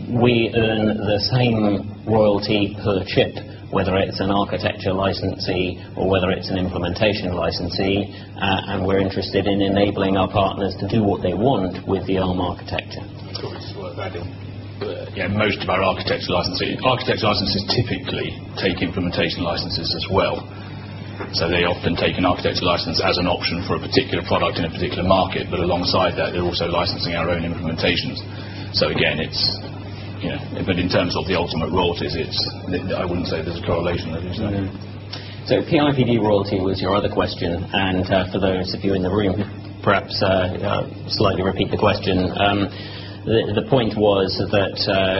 We earn the same royalty for the chip, whether it's an architecture licensee or whether it's an implementation licensee, and we're interested in enabling our partners to do what they want with the arm architecture. Our architecture licensing. Architect license is typically taking implementation licenses as well. So they often take an architecture license as an option for a product in a particular market, but alongside that, they're also licensing our own implementations. So again, it's but in terms of the ultimate royalties, it's I wouldn't say there's a correlation that we're saying. So PRPD Royalty was your other question. And for those of you in the room, perhaps slightly repeat the question. The point was that,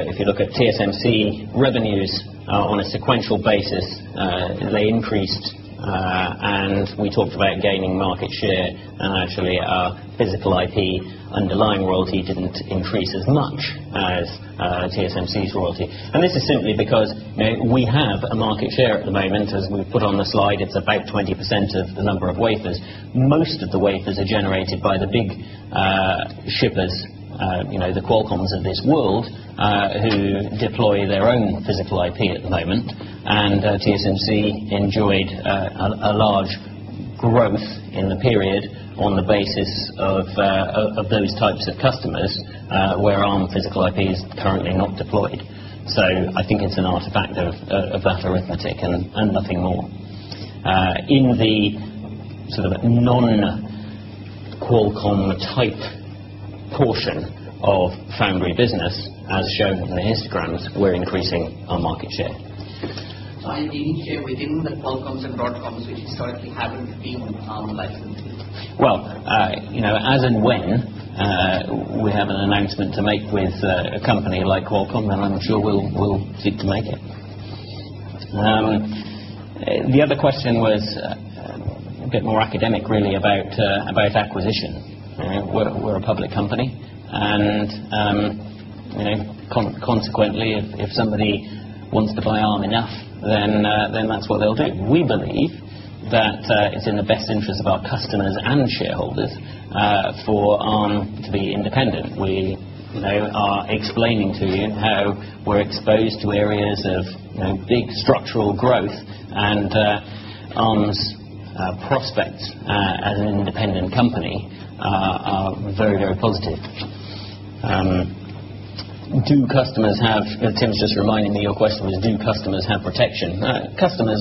if you look at TSMC revenues on a sequential basis, they increased, and we talked about gaining market share and actually our physical IP underlying royalty didn't increase as much as TSMC's royalty. And this is simply because we have a market share at the moment as put on the slide, it's about 20 percent of the number of wafers. Most of the wafers are generated by the big shippers the Qualcomm's of this world, who deploy their own physical IP at the moment. And TSMC enjoyed a large growth in the period on the basis of those types of customers, where armed physical IP is currently not deployed. So I think it's an artifact of that arithmetic and nothing more. In the sort of non Qualcomm type portion of foundry business, as shown in the histograms, we're increasing our market share. I didn't share within the telecoms and Broadcoms, which historically haven't been on the farm license. Well, as and when, we have an announcement to make with a company like Qualcomm, and I'm sure we'll seek to make it. The other question was a bit more academic, really, about acquisition. We're a public company. And, consequently, if somebody wants to buy arm enough, then that's what they'll do. We believe that, it's in the best interest of our customers and shareholders, for our, to be independent. We are explaining to you how were exposed to areas of big structural growth and, on prospect as an independent company are very, very positive. Do customers have, as Tim's just reminding question is do customers have protection? Customers,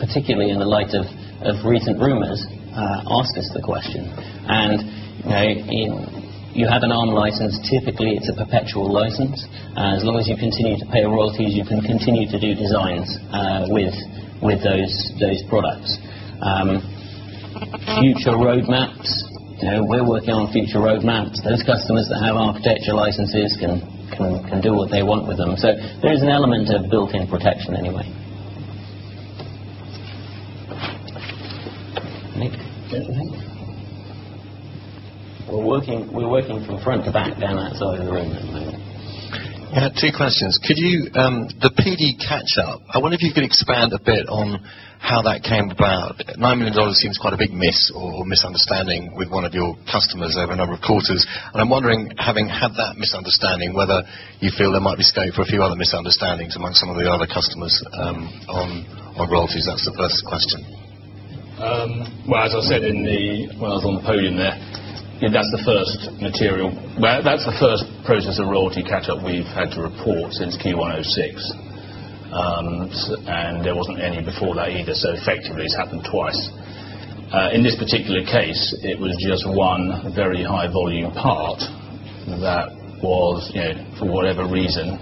particularly in the light of recent rumors, ask us the question. And in you have an ARM license. Typically, it's a perpetual license. As long as you continue to pay royalties, you can continue to do designs with those products. Future roadmaps, we're working on future roadmaps. Those customers that have architecture licenses can can do what they want with them. So there is an element of built in protection anyway. Nick? We're working from front to back down outside of the room. Yeah. Two questions. Could you, the PD catch up wonder if you could expand a bit on how that came about. $9,000,000 seems quite a big miss or misunderstanding with one of your customers over a number of quarters. I'm wondering having had that misunderstanding whether you feel there might be scope or a few other misunderstandings among some of the other customers, on royalties. That's the first question. Well, as I said in the well, I was on the podium there. That's the first material. That's the first process of royalty catch up. We've had to port since Q1 'six. And there wasn't any before that either. So effectively it's happened twice. In this particular case, it was just one very high volume part that was, for whatever reason,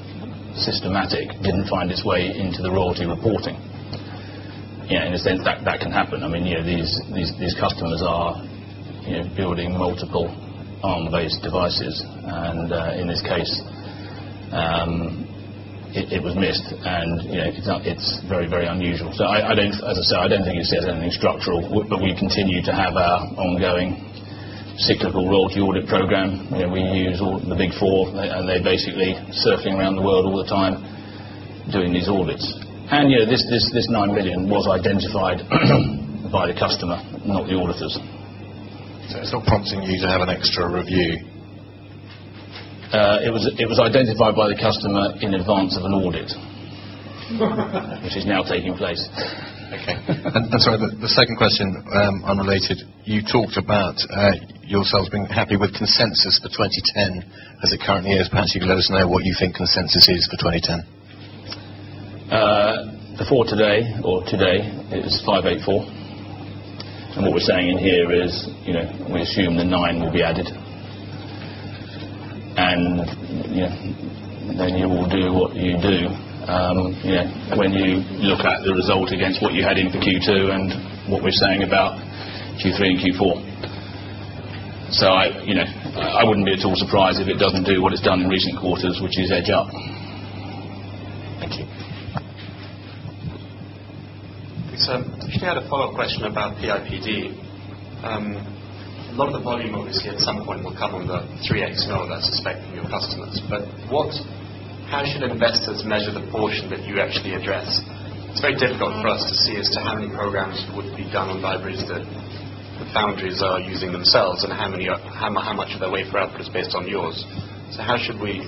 systematic didn't find its way into the royalty reporting. Yeah. In a sense, that can happen. I mean, these customers are building multiple on these devices. And, in this case, it was missed. And it's very, very unusual. So I don't as I said, I don't think you said anything structural, but we continue to have our ongoing cyclical royalty audit program that we use all the big 4, and they're basically circling around the world all the time doing these order Anya, this 9,000,000 was identified by the customer, not the auditors. So it's not prompting you to have an extra review. It was identified by the customer in advance of an audit, which is now taking place. Okay. That's right. The second question, unrelated. You talked about, yourselves being happy with consensus for 2010 it currently is, perhaps you can let us know what you think consensus is for 2010? Before today or today, it's 584. And what we're saying in here is, we assume the 9 will be added. And then you will do what you do. When you look at the result against what you had in for Q2 and what we're saying about Q3 and Q4, So I, you know, I wouldn't be at all surprised if it doesn't do what it's done in recent quarters, which is edge up. So if you had a follow-up question about PIPD, a lot of the volume obviously at some point will cover about 3x, no, that's your customers. But what how should investors measure the portion that you actually address? It's very difficult for us to see as to how many programs would be done on libraries that the foundries are using themselves and how many how much of their wafer output is based on yours. So how should we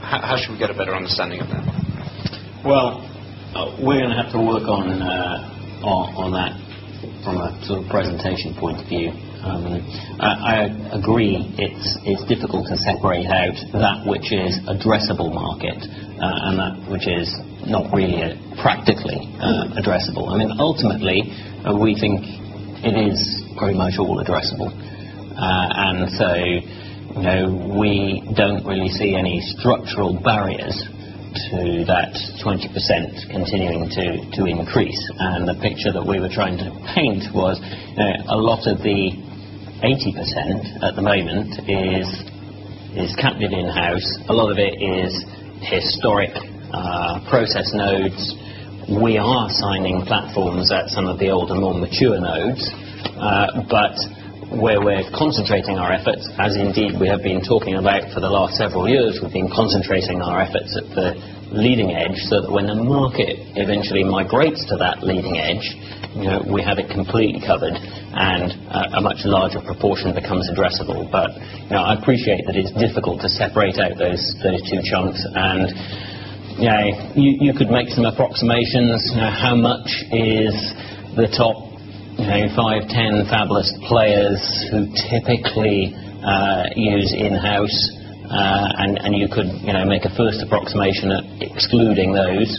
how should we get a better understanding of that? Well, we're going to have to work on that. From a sort of presentation point of view. I agree it's difficult to separate out that, which is addressable market and that, which is not really practically addressable. I mean, ultimately, we think it is very much all addressable. And so we don't really see any structural barriers to that 20% continuing to increase. And the picture that we were trying to paint was a lot of the 80% at the moment is Cat 1,000,000 house. A lot of it is historic, process nodes we are signing platforms at some of the older, more mature nodes, but where we're concentrating our efforts as indeed, we have been talking about for the last several years, we've been concentrating our efforts at the leading edge so that when the market eventually migrates to that leading edge, we have it completely covered and a much larger proportion becomes addressable. But now I appreciate that it's difficult to separate out those 32 chunks. And you could make some approximations, how much is the top 5, 10 fabless players who typically use in house, and you could make a first approximation excluding those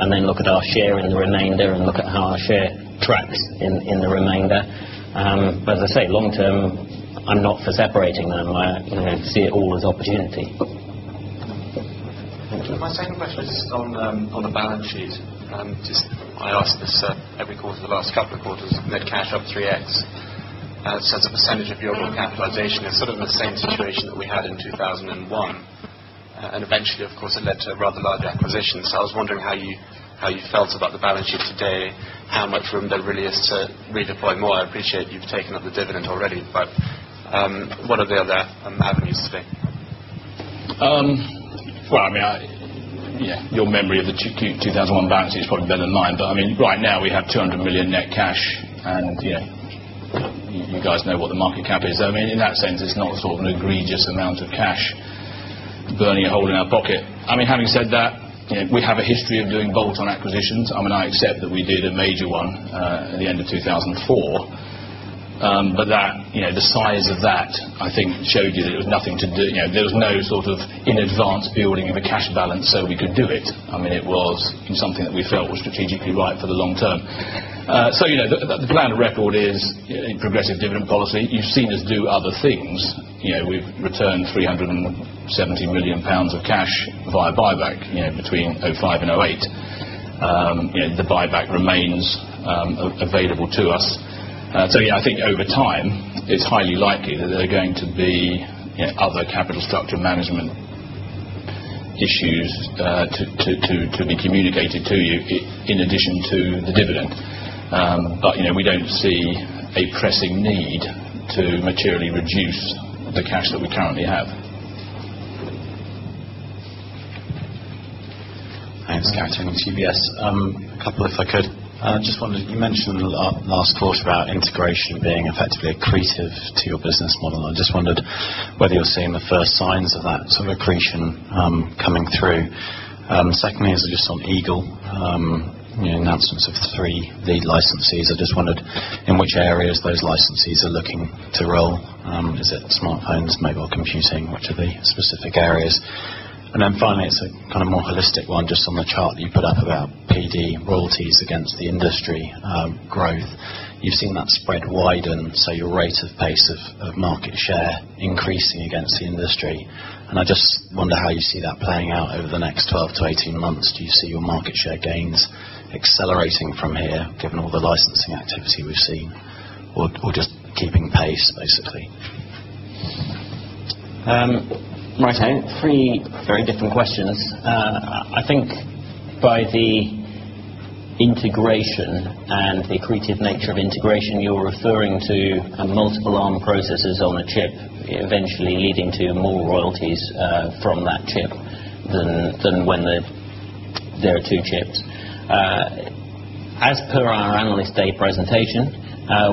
and then look at our share in the remainder and look at our share tracks in the remainder. As I say, long term, I'm not for separating them. I see it all as opportunity. My second question is just on the balance sheet, just I asked this every quarter, the last couple of quarters, net cash up 3x. So as a percentage of your loan capitalization is sort of the same situation that we had in 2000 and 1, and eventually, of course, it led to a rather large acquisition. So I was wondering how you felt about the balance sheet today, how much room there really is to redeploy more. I appreciate you've taken dividend already, but, what are the other avenues to speak? Well, I mean, Yes. Your memory of the 2 1001 banks, it's probably better than mine. But I mean, right now, we have 200,000,000 net cash and, yeah, You guys know what the market cap is. I mean, in that sense, it's not sort of an egregious amount of cash burning and holding our pocket mean, having said that, we have a history of doing bolt on acquisitions. I mean, I accept that we did a major one at the end of 2004, But that the size of that, I think, showed you that it was nothing to do. There was no sort of in advance building of a cash balance, so we could do it mean, it was something that we felt strategically right for the long term. So the plan of record is in progressive dividend policy. You've seen us do other things we've returned 1,000,000 of cash via buyback between 1,000,000 and 1,000,000. The buyback remains available to us. So yeah, I think over time, it's highly likely that there are going to be other capital structure management. Issues to be communicated to you in addition to the dividend. But we don't see a pressing need to materially reduce Thanks, Catherine, on TBS. A couple if I could. Just wondering, you mentioned last quarter about integration being effectively accretive to business model. I just wondered whether you're seeing the first signs of that sort of accretion coming through. Secondly, is it just on Eagle? Announcements of 3 lead licensees. I just wondered in which areas those licensees are looking to roll. Is it smartphones, mobile computing, which are the specific areas. And then finally, it's a kind of more holistic one just on the chart that you put up about PD royalties against the industry growth. You've seen that spread widen. So your rate of pace of market share increasing against the industry. And I just wonder how you see that playing out over the next 12 to 18 months do you see your market share gains accelerating from here given all the licensing activity we've seen or just keeping pace, basically? Martijn, three very different questions. I think by the integration and the accretive nature of integration, you're referring to multiple arm processes on the chip eventually leading to a more royal from that chip than when there are 2 chips. As per our Analyst Day presentation,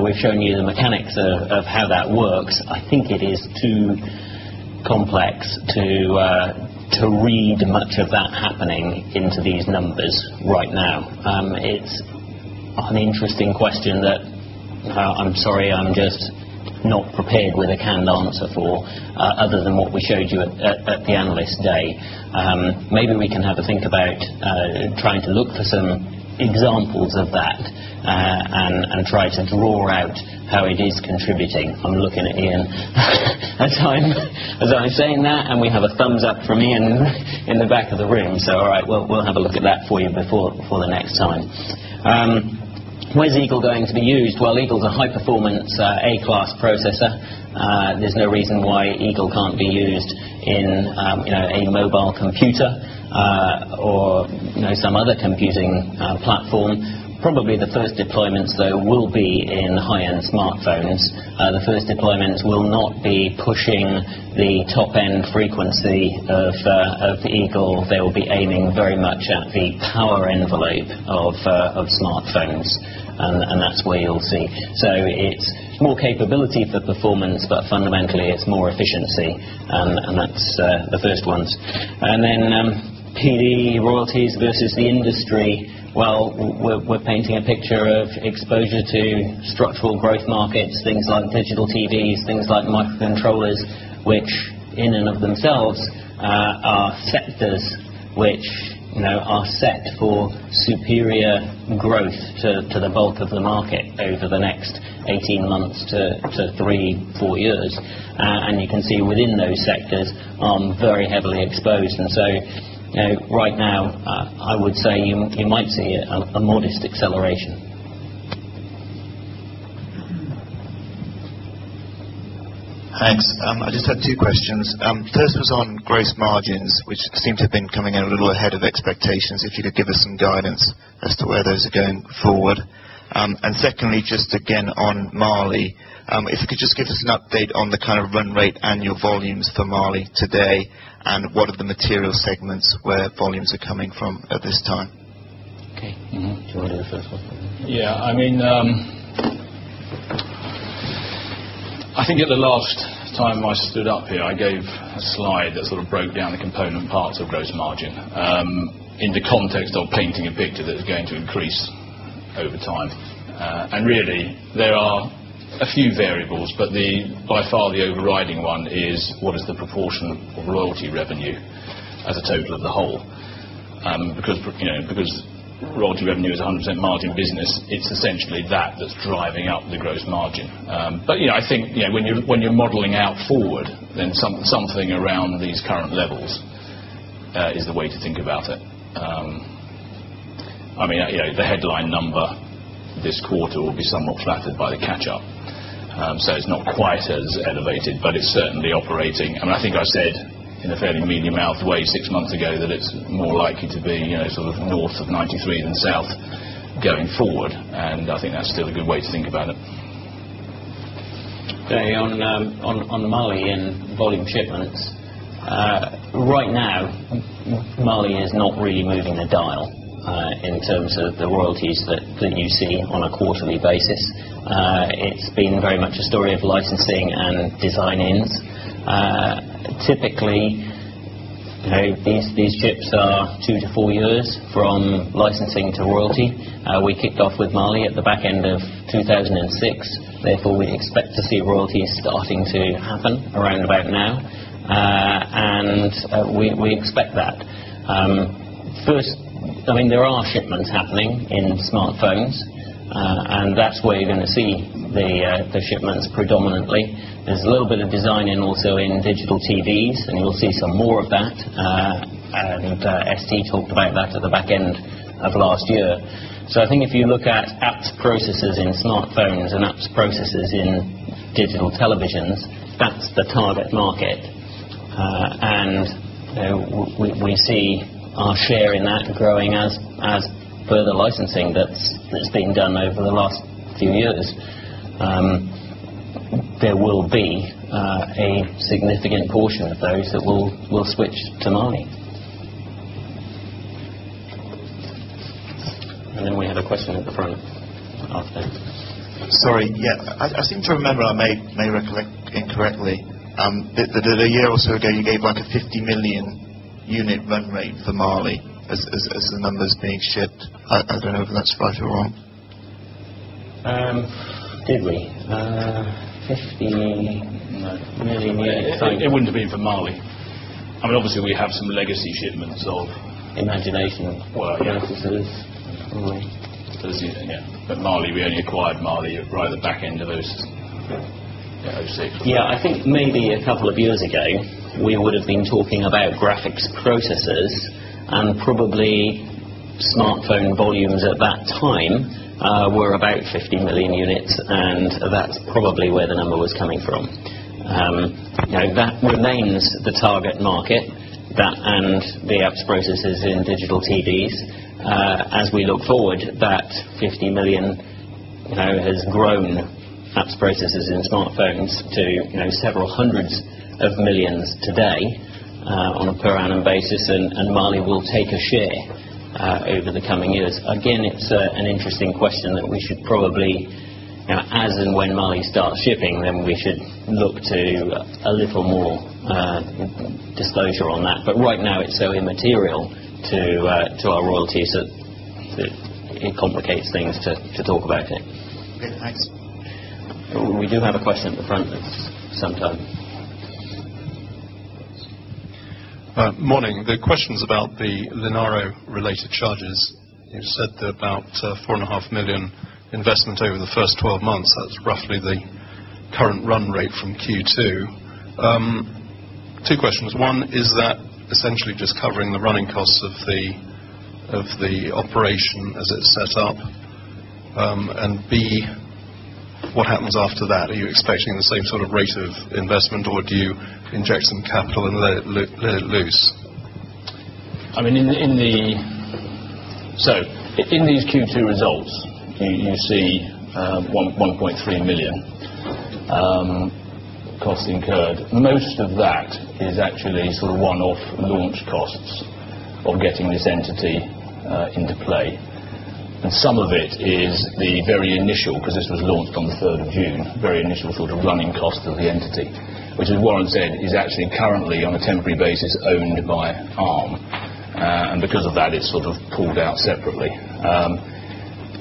We're showing you the mechanics of how that works. I think it is too complex to to read much of that happening into these numbers right now. It's an interesting question that I'm sorry, I'm just not prepared with a canned answer for other than what we showed you at the Analyst Day. Maybe we can have a think about trying to look for some examples of that and try to draw out how it is contributing. I'm looking at Ian at time. As I've seen that, and we have a thumbs up from Ian in the back of the room. So we'll have a look at that for you before the next time. Where is Eagle going to be used? Well, Eagle is a high performance A class processor, There's no reason why Eagle can't be used in a mobile computer or some other computing platform. Probably the first deployments, though, will be in high end smartphones. The first deployments will not be pushing the top end frequency of the Eagle, they will be aiming very much at the power envelope of smartphones. And that's where you'll see. So it's more capability for performance, but fundamentally, it's more efficiency. And that's, the first ones. And then, PD royalties versus the industry, while we're painting a picture of exposure to for growth markets, things like digital TVs, things like microcontrollers, which in and of themselves, are sectors which are set for superior growth to the bulk of the market over the next 18 months to 3, 4 years. And you can see within those sectors, I'm very heavily exposed. And so right now, I would say you might see a modest acceleration. Thanks. I just had two questions. First was on gross margins, which seemed to have been coming out a little ahead of expectations. If you could give us some guidance, as to where those are going forward? And secondly, just again on Marley, if you could just give us an update on the kind of run rate annual volumes for Marley today, And what are the material segments where volumes are coming from at this time? I think at the last time I stood up here, I gave a slide that sort of broke down the component parts of gross margin. The context of painting a picture that is going to increase over time. And really, there are a few variables, but the by far, the overriding one is what is the proportion of royalty revenue as a total of the whole, because royalty revenue is 100% margin business, it's essentially that that's driving up the gross margin. But I think when you're modeling out forward, then something around these current levels is the way to think about it. I mean, yeah, the headline number this quarter will be somewhat flattered by the catch up. So it's not quite as elevated, but it's certainly operating. And I think I said in a fairly medium mouth way 6 months ago that it's more likely to be north of 93 in South going forward. And I think that's still a good way to think about it. On the Moly in volume shipments, right now, Moly is not really moving the dial. In terms of the royalties that you see on a quarterly basis. It's been very much a story of licensing and design ins. Typically, these ships are 2 to 4 years from licensing to royalty. We kicked off with Mali at the back end of 2000 and 6. Therefore, we expect to see royalties starting to happen around about now. And we expect that First, I mean, there are shipments happening in smartphones, and that's where you're going to see the shipments predominantly. There's a little bit of design in also in digital TVs, and you'll see some more of that. And ST talked about that at the back end of last year, I think if you look at apps processes in smartphones and apps processes in digital televisions, that's the target market. And we see our share in that growing as further licensing that's been done over the last few years, there will be a significant portion of those that will switch to Marni. And then we had a question at the front. Sorry, yes. I seem to remember I may recollect incorrectly. The delay year also ago, you gave 1,000,000 unit run rate for Marley as the numbers being shipped I don't know if that's probably right. Did we? 15,000,000. No. It wouldn't have been for Mali. Mean, obviously, we have some legacy shipments of In imagination? But Marley, we only acquired Marley, right at the back end of those. Yes, I think maybe a couple of years ago, we would have been talking about graphics' processes and probably smartphone volumes at that time, were about 50 million units, and that's probably where the number was coming from. That remains the target market that and the apps processes in digital TVs, as we look forward, that 1,000,000 has grown apps processes in smartphones to several 100 of 1,000,000 today on a per annum basis, and Marley will take a share over the coming years. Again, it's an interesting question that we should probably, as and when Mali starts shipping, then we should look to a little more disclosure on that. But right now, it's so immaterial to our royalties that complicates things to talk about it. Okay. Thanks. We do have a question at the front, sometime. Morning. The questions about the Linaro related charges. You said that about 4,500,000 investment over the 1st 12 months roughly the current run rate from Q2. Two questions. 1, is that essentially just covering the running costs of the of the operation as it set up, and B, what happens after that? Are you expecting the same sort of rate of investment, or do you inject some capital and let it loose? I mean, in the so in these Q2 results, you see 1,000,000 costs incurred. And most of that is actually sort of one off launch costs of getting this entity into play. And some of it is the very initial because this was launched on 3rd June, very initial sort of running cost of the entity, which as Warren said, is actually currently on a temporary basis owned by arm. And because of that, it's sort of pulled out separately.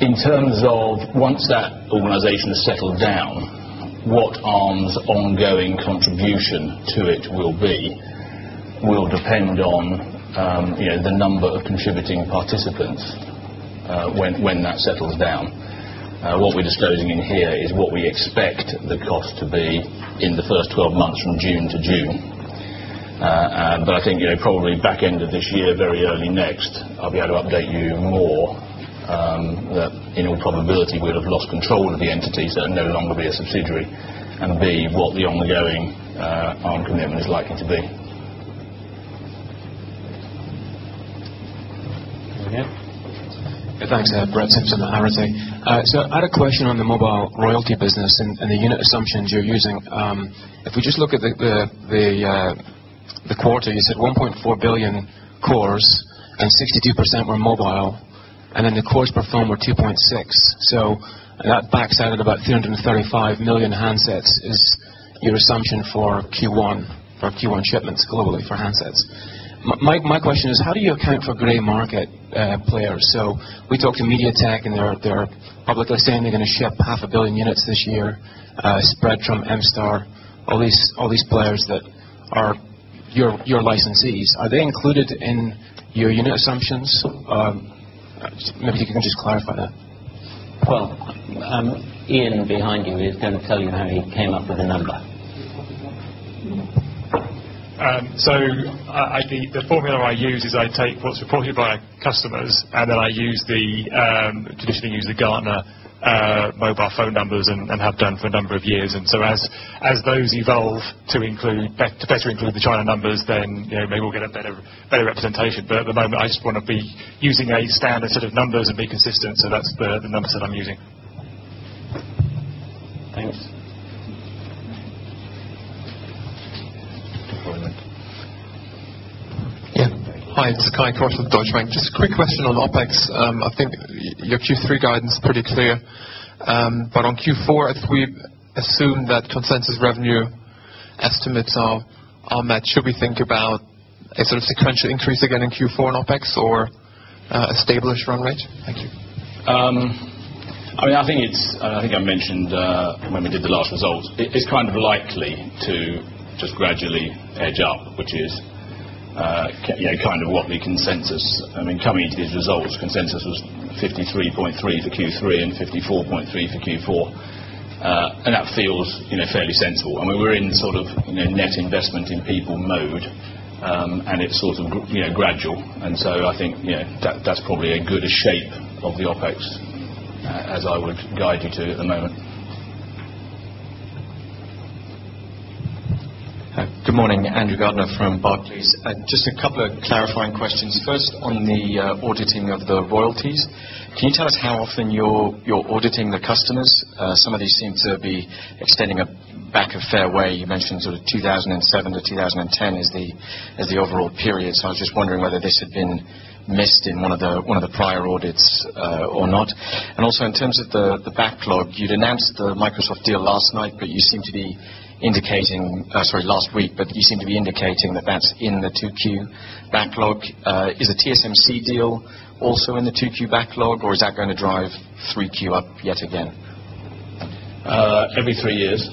In terms of once that organization is settled down, what arms ongoing contribution to it will be will depend on, the number of contributing participants. When that settles down. What we're disclosing in here is what we expect the cost to be in the 1st 12 months from June to June. But I think probably back end of this year very early next, I'll be able to update you more that all probability, we would have lost control of the entities that are no longer be a subsidiary and B, what the ongoing, armed commitment is likely to be. Ahead. So I had a question on the mobile royalty business and the unit assumptions you're using If we just look at the quarter, you said 1,400,000,000 cores and 62% were mobile. And then the course performed were 2.6. So that backs out at about 335,000,000 handsets is your assumption for Q1. For Q1 shipments globally for handsets. My question is, how do you account for gray market players? So we talked to MediaTek and there are publicly saying they're going to ship 500,000,000 units this year, spread from MStar. All these players that are your licensees, are they included in your unit assumptions? Maybe you can just clarify Well, Ian behind you is going to tell you how he came up with a number. So I think the formula I use is I take what's reported by customers and then I use the, traditionally use the Gartner mobile phone numbers and have done for a number of years. And so as those evolve to include to better include the China numbers, then maybe we'll get a better better representation, but at the moment, I just want to be using a standard sort of numbers and be consistent. So that's the numbers that I'm using. Yes. It's Kai Kosch with Deutsche Bank. Just a quick question on OpEx. I think your Q3 guidance is pretty clear. But on Q4, if we assume that consensus revenue estimates on that should we think about a sort of sequential increase again in Q4 in OpEx or a stablish run rate? I mean, I think it's I think I mentioned, when we did the last results, it's kind of likely to just gradually edge up, which is kind of what the consensus, I mean, coming into these results, consensus was 53.3 for Q3 and 54.3 for Q4. And that feels fairly sensible. I mean, we're in sort of net investment in people mode, and it's sort of gradual And so I think that's probably a good shape of the OpEx as I would guide you to at the moment. Good morning, Andrew Gardiner from Barclays. Just a couple of clarifying questions. First, on the auditing of the royalties, Can you tell us how often you're auditing the customers? Some of these seem to be extending a back of fairway. You mentioned sort of 2000 and 7 to 2010 is the as the overall period. So I was just wondering whether this had been missed in one of the prior audits or not. And also in terms of the back Clogue. You'd announced the Microsoft deal last night, but you seem to be indicating sorry, last week, but you seem to be indicating that that's in the 2Q backlog, is a TSMC deal also in the 2Q backlog, or is that going to drive 3Q up yet again? Every 3 years,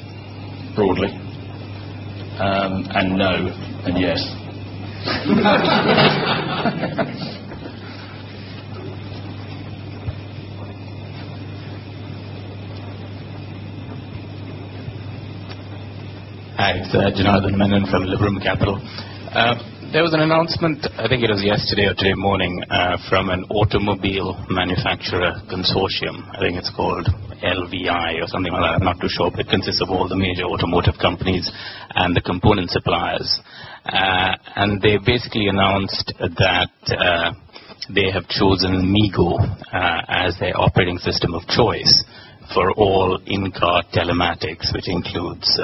broadly, and no, and yes. Hi. It's Jonathan Mennan from Liberum Capital. There was an announcement, I think it was yesterday or today morning from an automobile manufacturer consortium. I think it's called LVI or something like that, not to show up, it consists of all the major automotive companies and the component suppliers. And they basically announced that, they have chosen Migo as their operating system of choice. For all in card telematics, which includes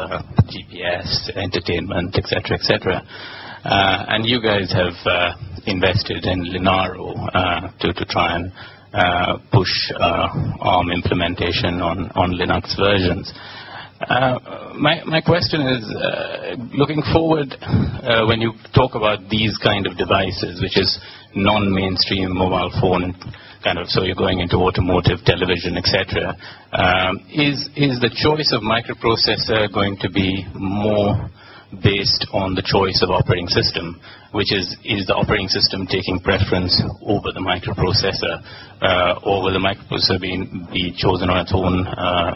GPS, entertainment, etcetera, etcetera. And you guys have invested in Lynaro to try and push on implementation on Linux versions. My question is, looking forward, when you talk about these kinds of devices, which is non mainstream mobile phone and also you're going into automotive, television, etcetera, is the choice of microprocessor going to be more based on the choice of operating system, which is is the operating system taking preference over the microprocessor or will the microphone be chosen on its own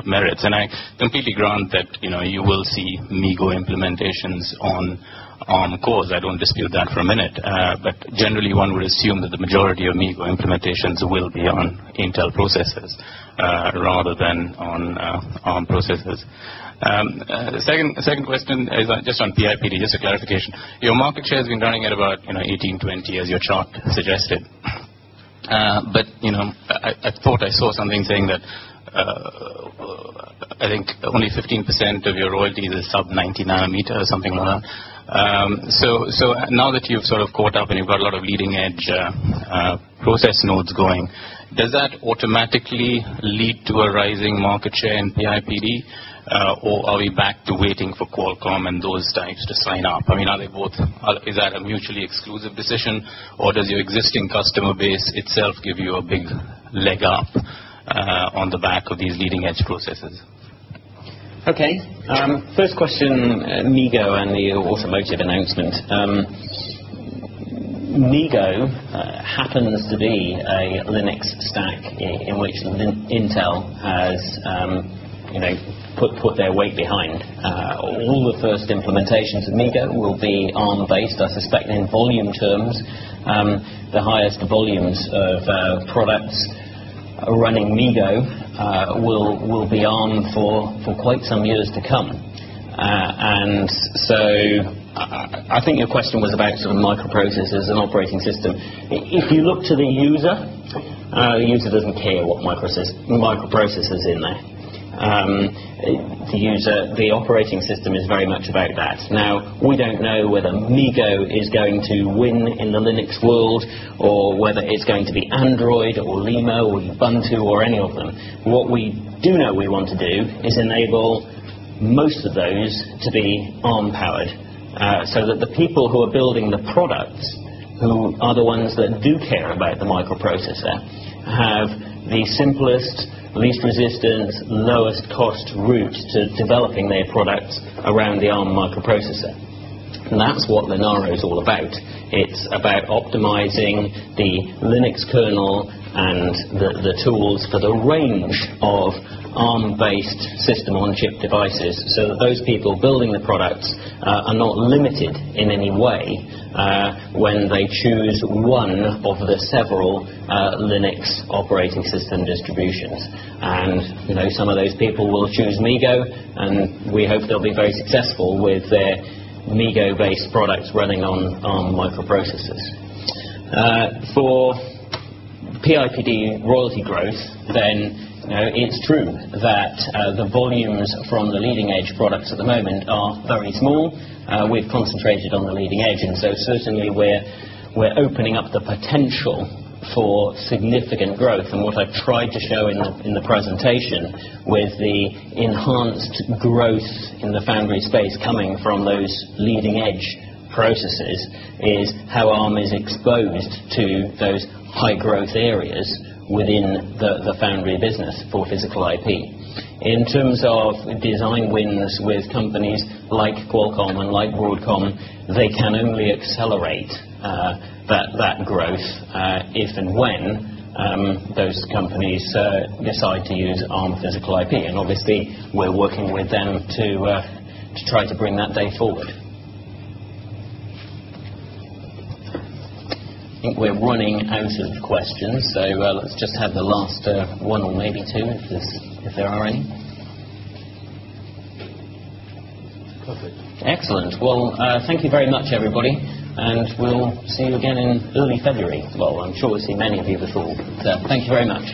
merits? And I completely grant that you will see Migo implementations on on course. I don't dispute that for a minute, but generally one would assume that the majority of Migo implementations will be on Intel Processors. Rather than on processes. The second question is just on PIP, just a clarification. Market share has been running at about 18, 20, as your chart suggested. But I thought I saw something saying that I think only 15% of your royalties is sub-ninety nanometer or something like that. So now that you've sort of and you've got a lot of leading edge process nodes going. Does that automatically lead to a rising market share in PIPD? Or are we back to waiting for Qualcomm and those types to sign up? I mean, are they both is that a mutually exclusive decision? Or does your existing customer base itself give you a big leg up on the back of these leading edge processes? Okay. First question, Migo and the Automotive announcement. Migo happens to be a Linux stack in which Intel has, put their weight behind all the first implementations of MIGA will be ARM based, I suspect, in volume terms, the highest volumes of our products running Migo, will be on for quite some years to come. And so, I think your question was about sort of microprocess as an operating system. If you look to the user, the user doesn't care what microprocess microprocess is in there. User, the operating system is very much about that. Now we don't know whether Migo is going to win in the Linux world or whether it's going to be Android or LEMO or Ubuntu or any of them, what we do know we want to do is enable most of those to be onpowered, so that the people who are building the products, who are the ones that do care about the microprocessor, have the simplest least resistance, lowest cost route to developing their products around the ARM market processor. And that's what Menaro is all about. It's about optimizing the Linux kernel and the tools for the range of arm based system ownership devices so that those people building the products are not limited in any way when they choose 1 of the several Linux operating system distributions. And some of those people will choose MIGO, and we hope they'll be very successful with their MIGO based products running on microprocesses. For PIPD Royalty Growth, then it's true that the volumes from the leading edge products at the moment are very small. We've concentrated on the leading agent. So certainly, we're opening up the potential for significant growth. And what I've tried to show in the presentation was the enhanced growth in the foundry space coming from those leading edge processes is how Arm is exposed to those high growth areas within the foundry business for physical IP. In terms of design wins with companies like Qualcomm and like Broadcom, they can only accelerate, be, we're working with them to, to try to bring that day forward. Think we're running out of questions. So let's just have the last one or maybe 2, if there are any. Excellent. Well, thank you very much, everybody, and we'll see you again in early February. Well, I'm sure we'll see many of you at all. So thank you very much.